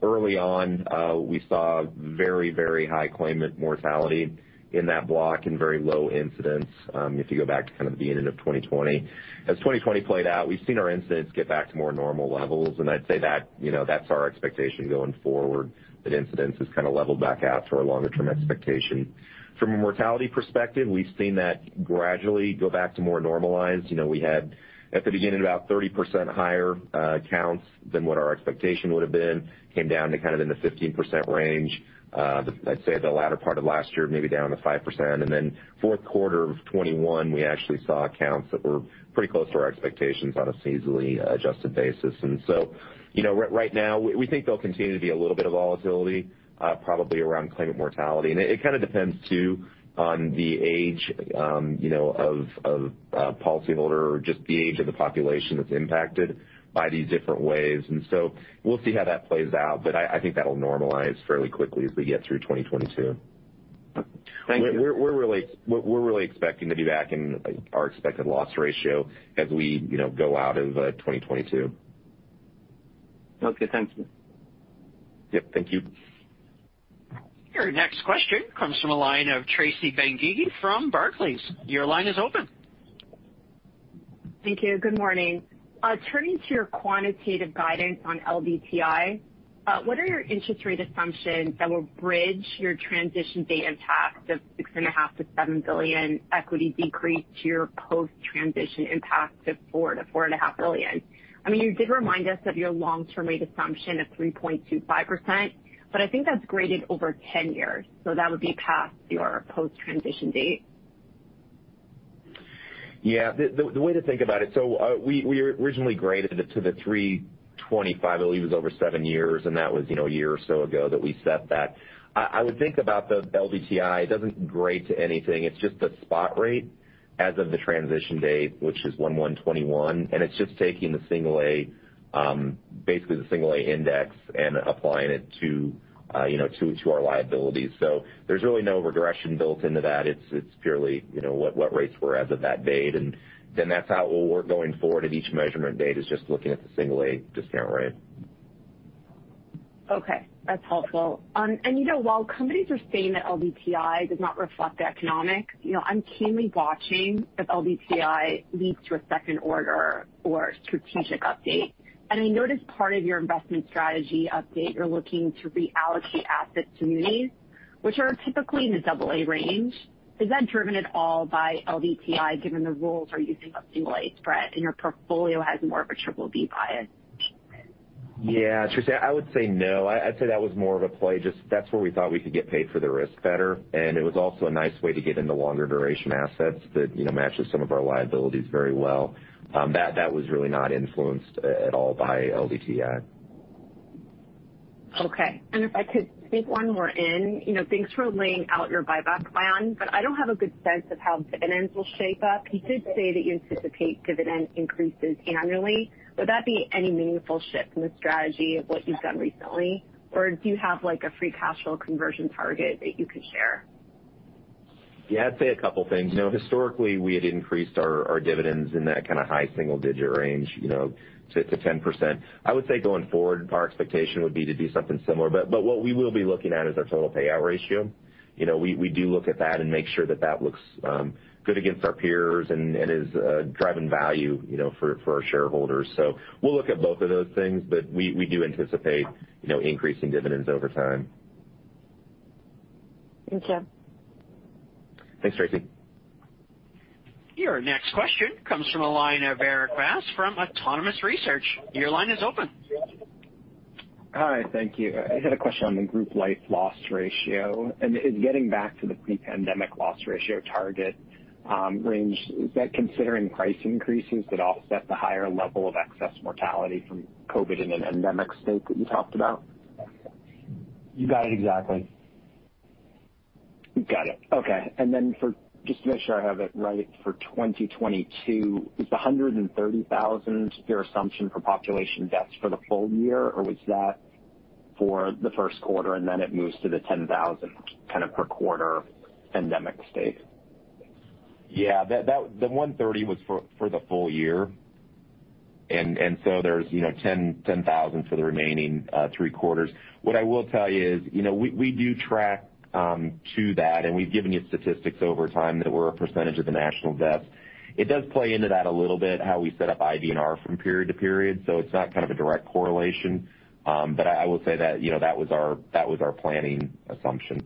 Early on, we saw very, very high claimant mortality in that block and very low incidence, if you go back to kind of the beginning of 2020. As 2020 played out, we've seen our incidence get back to more normal levels. I'd say that, you know, that's our expectation going forward, that incidence has kind of leveled back out to our longer-term expectation. From a mortality perspective, we've seen that gradually go back to more normalized. You know, we had at the beginning about 30% higher counts than what our expectation would have been, came down to kind of in the 15% range. I'd say the latter part of last year, maybe down to 5%. Fourth quarter of 2021, we actually saw counts that were pretty close to our expectations on a seasonally adjusted basis. You know, right now we think there'll continue to be a little bit of volatility, probably around claimant mortality. It kind of depends, too, on the age, you know, of policyholder or just the age of the population that's impacted by these different waves. We'll see how that plays out. I think that'll normalize fairly quickly as we get through 2022. Thank you. We're really expecting to be back in our expected loss ratio as we, you know, go out of 2022. Okay. Thank you. Yep. Thank you. Your next question comes from the line of Tracy Benguigui from Barclays. Your line is open. Thank you. Good morning. Turning to your quantitative guidance on LDTI, what are your interest rate assumptions that will bridge your transition date impact of $6.5 billion-$7 billion equity decrease to your post-transition impact of $4 billion-$4.5 billion? I mean, you did remind us of your long-term rate assumption of 3.25%, but I think that's graded over 10 years, so that would be past your post-transition date. Yeah. The way to think about it. We originally graded it to the 3.25, I believe it was over seven years, and that was, you know, a year or so ago that we set that. I would think about the LDTI, it doesn't grade to anything. It's just a spot rate as of the transition date, which is 1/1/2021, and it's just taking the single A, basically the single A index and applying it to, you know, to our liabilities. There's really no regression built into that. It's purely, you know, what rates were as of that date, and then that's how it will work going forward at each measurement date is just looking at the single A discount rate. Okay. That's helpful. You know, while companies are saying that LDTI does not reflect the economics, you know, I'm keenly watching if LDTI leads to a second order or strategic update. I noticed part of your investment strategy update, you're looking to reallocate assets to munis, which are typically in the double A range. Is that driven at all by LDTI, given the rules are using a single A spread and your portfolio has more of a triple B bias? Yeah. Tracy, I would say no. I'd say that was more of a play, just that's where we thought we could get paid for the risk better. It was also a nice way to get into longer duration assets that, you know, matches some of our liabilities very well. That was really not influenced at all by LDTI. Okay. If I could sneak one more in. You know, thanks for laying out your buyback plan, but I don't have a good sense of how dividends will shape up. You did say that you anticipate dividend increases annually. Would that be any meaningful shift in the strategy of what you've done recently? Or do you have, like, a free cash flow conversion target that you could share? Yeah, I'd say a couple things. You know, historically, we had increased our dividends in that kind of high single-digit range, you know, 6%-10%. I would say going forward, our expectation would be to do something similar. But what we will be looking at is our total payout ratio. You know, we do look at that and make sure that that looks good against our peers and is driving value, you know, for our shareholders. We'll look at both of those things. We do anticipate, you know, increasing dividends over time. Thank you. Thanks, Tracy. Your next question comes from the line of Erik Bass from Autonomous Research. Your line is open. Hi. Thank you. I had a question on the group life loss ratio. In getting back to the pre-pandemic loss ratio target, range, is that considering price increases that offset the higher level of excess mortality from COVID in an endemic state that you talked about? You got it. Exactly. Got it. Okay. For just to make sure I have it right for 2022, is the 130,000 your assumption for population deaths for the full year, or was that for the first quarter and then it moves to the 10,000 kind of per quarter endemic state? Yeah. That 130 was for the full year. There's you know 10,000 for the remaining three quarters. What I will tell you is, you know, we do track to that, and we've given you statistics over time that we're a percentage of the national deaths. It does play into that a little bit, how we set up IBNR from period to period. It's not kind of a direct correlation. I will say that, you know, that was our planning assumption.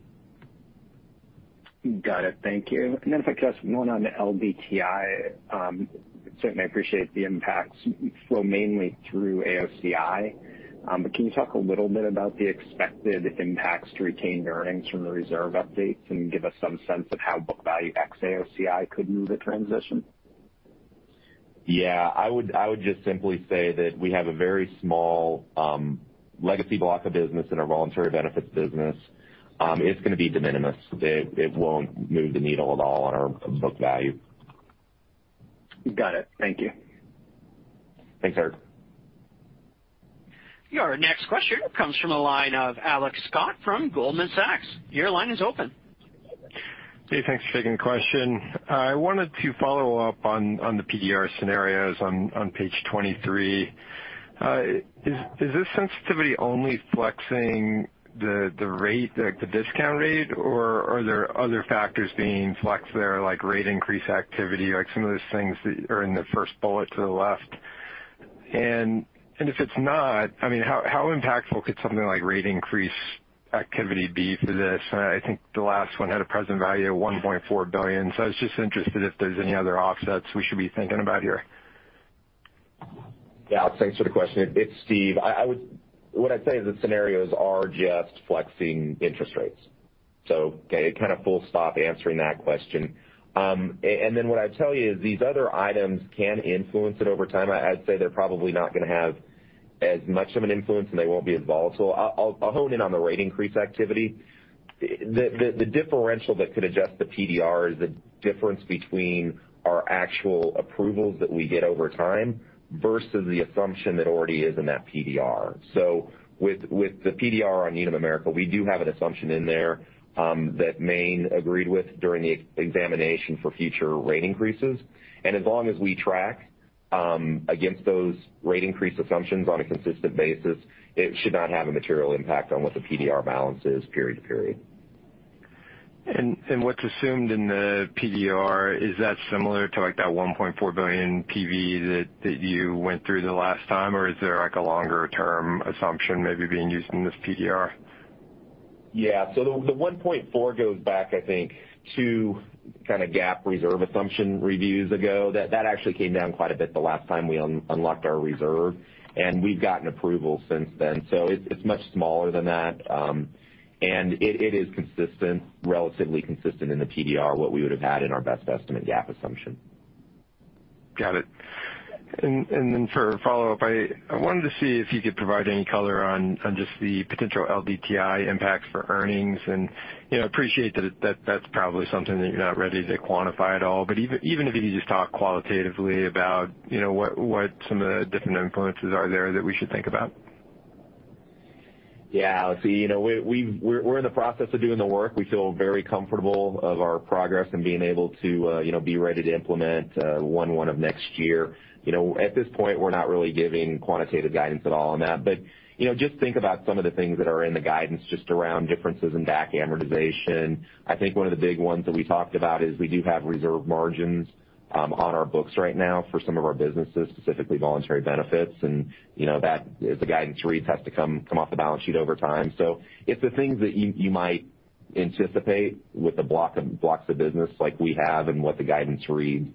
Got it. Thank you. If I could ask one on LDTI. I certainly appreciate the impacts flow mainly through AOCI. Can you talk a little bit about the expected impacts to retained earnings from the reserve updates and give us some sense of how book value ex AOCI could move at transition? Yeah. I would just simply say that we have a very small legacy block of business in our Voluntary Benefits business. It's going to be de minimis. It won't move the needle at all on our book value. Got it. Thank you. Thanks, Erik. Your next question comes from the line of Alex Scott from Goldman Sachs. Your line is open. Hey, thanks for taking the question. I wanted to follow up on the PDR scenarios on page 23. Is this sensitivity only flexing the rate, like the discount rate, or are there other factors being flexed there, like rate increase activity, like some of those things that are in the first bullet to the left? And if it's not, I mean, how impactful could something like rate increase activity be for this? I think the last one had a present value of $1.4 billion. I was just interested if there's any other offsets we should be thinking about here. Yeah, Alex, thanks for the question. It's Steve. What I'd say is the scenarios are just flexing interest rates. Okay, kind of full stop answering that question. And then what I'd tell you is these other items can influence it over time. I'd say they're probably not gonna have as much of an influence, and they won't be as volatile. I'll hone in on the rate increase activity. The differential that could adjust the PDR is the difference between our actual approvals that we get over time versus the assumption that already is in that PDR. With the PDR on Unum America, we do have an assumption in there, that Maine agreed with during the examination for future rate increases. As long as we track against those rate increase assumptions on a consistent basis, it should not have a material impact on what the PDR balance is period to period. What's assumed in the PDR is that similar to, like, that $1.4 billion PV that you went through the last time, or is there, like, a longer-term assumption maybe being used in this PDR? Yeah. The 1.4 goes back, I think, to kind of GAAP reserve assumption reviews ago. That actually came down quite a bit the last time we unlocked our reserve, and we've gotten approval since then. It's much smaller than that, and it is consistent, relatively consistent in the PDR, what we would have had in our best estimate GAAP assumption. Got it. For a follow-up, I wanted to see if you could provide any color on just the potential LDTI impacts for earnings. You know, I appreciate that that's probably something that you're not ready to quantify at all, but even if you could just talk qualitatively about, you know, what some of the different influences are there that we should think about. Yeah. Alex, you know, we're in the process of doing the work. We feel very comfortable of our progress in being able to, you know, be ready to implement 1/1 of next year. You know, at this point, we're not really giving quantitative guidance at all on that. You know, just think about some of the things that are in the guidance just around differences in DAC amortization. I think one of the big ones that we talked about is we do have reserve margins on our books right now for some of our businesses, specifically voluntary benefits. You know, that, as the guidance reads, has to come off the balance sheet over time. It's the things that you might anticipate with the blocks of business like we have and what the guidance reads.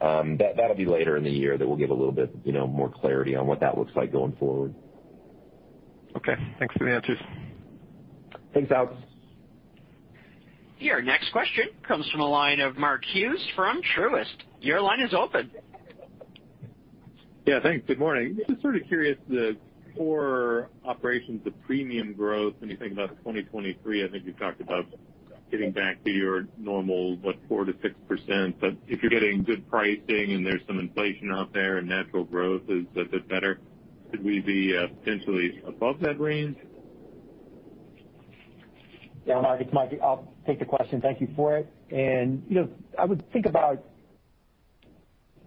That'll be later in the year that we'll give a little bit, you know, more clarity on what that looks like going forward. Okay. Thanks for the answers. Thanks, Alex. Your next question comes from the line of Mark Hughes from Truist. Your line is open. Yeah. Thanks. Good morning. Just sort of curious, the core operations of premium growth, when you think about 2023, I think you talked about getting back to your normal, what, 4%-6%. If you're getting good pricing, and there's some inflation out there and natural growth is a bit better, could we be potentially above that range? Yeah. Mark, it's Mike. I'll take the question. Thank you for it. You know, I would think about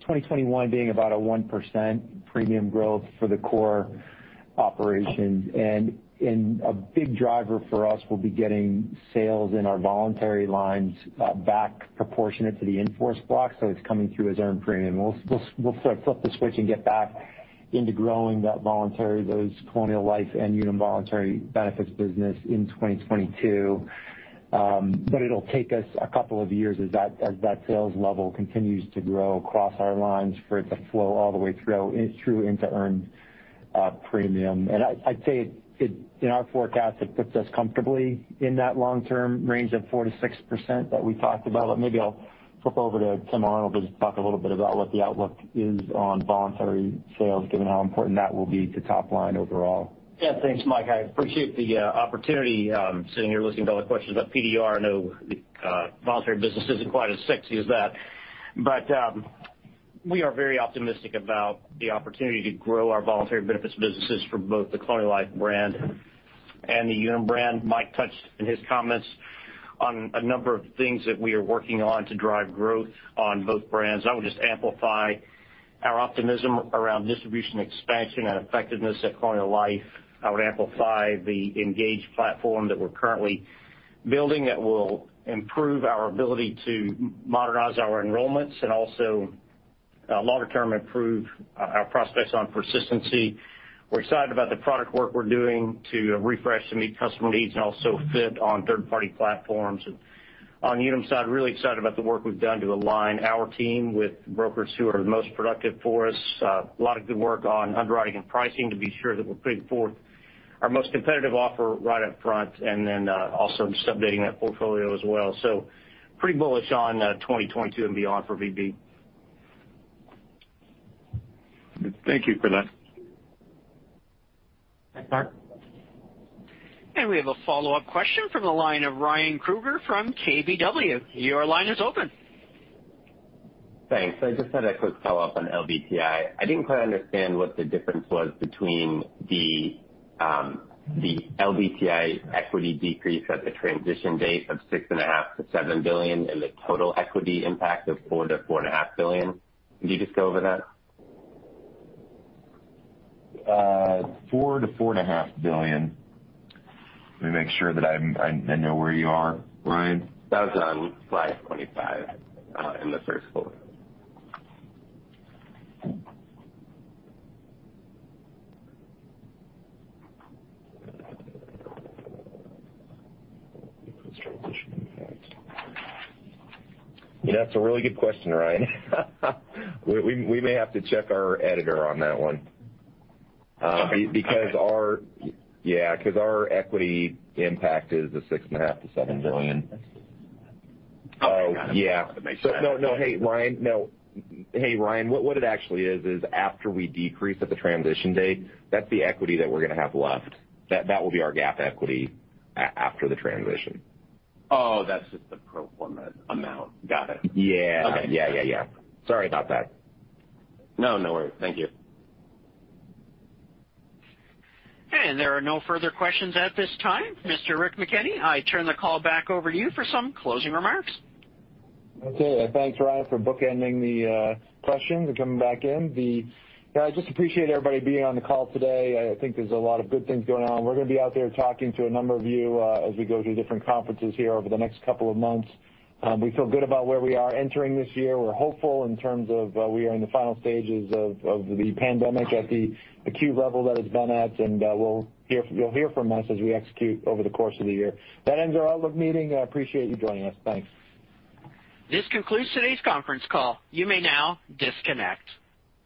2021 being about a 1% premium growth for the core operations. A big driver for us will be getting sales in our voluntary lines back proportionate to the in-force block, so it's coming through as earned premium. We'll sort of flip the switch and get back into growing that voluntary, those Colonial Life and Unum Voluntary Benefits business in 2022. It'll take us a couple of years as that sales level continues to grow across our lines for it to flow all the way through into earned premium. I'd say, in our forecast, it puts us comfortably in that long-term range of 4%-6% that we talked about. Maybe I'll flip over to Tim Arnold to just talk a little bit about what the outlook is on voluntary sales, given how important that will be to top line overall. Yeah. Thanks, Mike. I appreciate the opportunity sitting here listening to all the questions about PDR. I know the voluntary business isn't quite as sexy as that. We are very optimistic about the opportunity to grow our voluntary benefits businesses for both the Colonial Life brand and the Unum brand. Mike touched in his comments on a number of things that we are working on to drive growth on both brands. I would just amplify our optimism around distribution expansion and effectiveness at Colonial Life. I would amplify the engaged platform that we're currently building that will improve our ability to modernize our enrollments and also longer term improve our prospects on persistency. We're excited about the product work we're doing to refresh and meet customer needs and also fit on third-party platforms. On Unum's side, really excited about the work we've done to align our team with brokers who are the most productive for us. A lot of good work on underwriting and pricing to be sure that we're putting forth our most competitive offer right up front, and then also just updating that portfolio as well. Pretty bullish on 2022 and beyond for VB. Thank you for that. Thanks, Mark. We have a follow-up question from the line of Ryan Krueger from KBW. Your line is open. Thanks. I just had a quick follow-up on LDTI. I didn't quite understand what the difference was between the LDTI equity decrease at the transition date of $6.5 billion-$7 billion and the total equity impact of $4 billion-$4.5 billion. Can you just go over that? $4 billion-$4.5 billion. Let me make sure that I know where you are, Ryan. That was on slide 25, in the first bullet. Transition impact. Yeah, that's a really good question, Ryan. We may have to check our editor on that one. Okay. Because our equity impact is the $6.5 billion-$7 billion. Okay. Got it. Yeah. That makes sense. No. Hey, Ryan. What it actually is after we decrease at the transition date, that's the equity that we're gonna have left. That will be our GAAP equity after the transition. Oh, that's just the pro forma amount. Got it. Yeah. Okay. Yeah, yeah. Sorry about that. No, no worries. Thank you. There are no further questions at this time. Mr. Rick McKenney, I turn the call back over to you for some closing remarks. Okay. I thank Ryan for bookending the questions and coming back in. Yeah, I just appreciate everybody being on the call today. I think there's a lot of good things going on. We're gonna be out there talking to a number of you as we go through different conferences here over the next couple of months. We feel good about where we are entering this year. We're hopeful in terms of we are in the final stages of the pandemic at the acute level that it's been at, and we'll hear, you'll hear from us as we execute over the course of the year. That ends our outlook meeting. I appreciate you joining us. Thanks. This concludes today's conference call. You may now disconnect.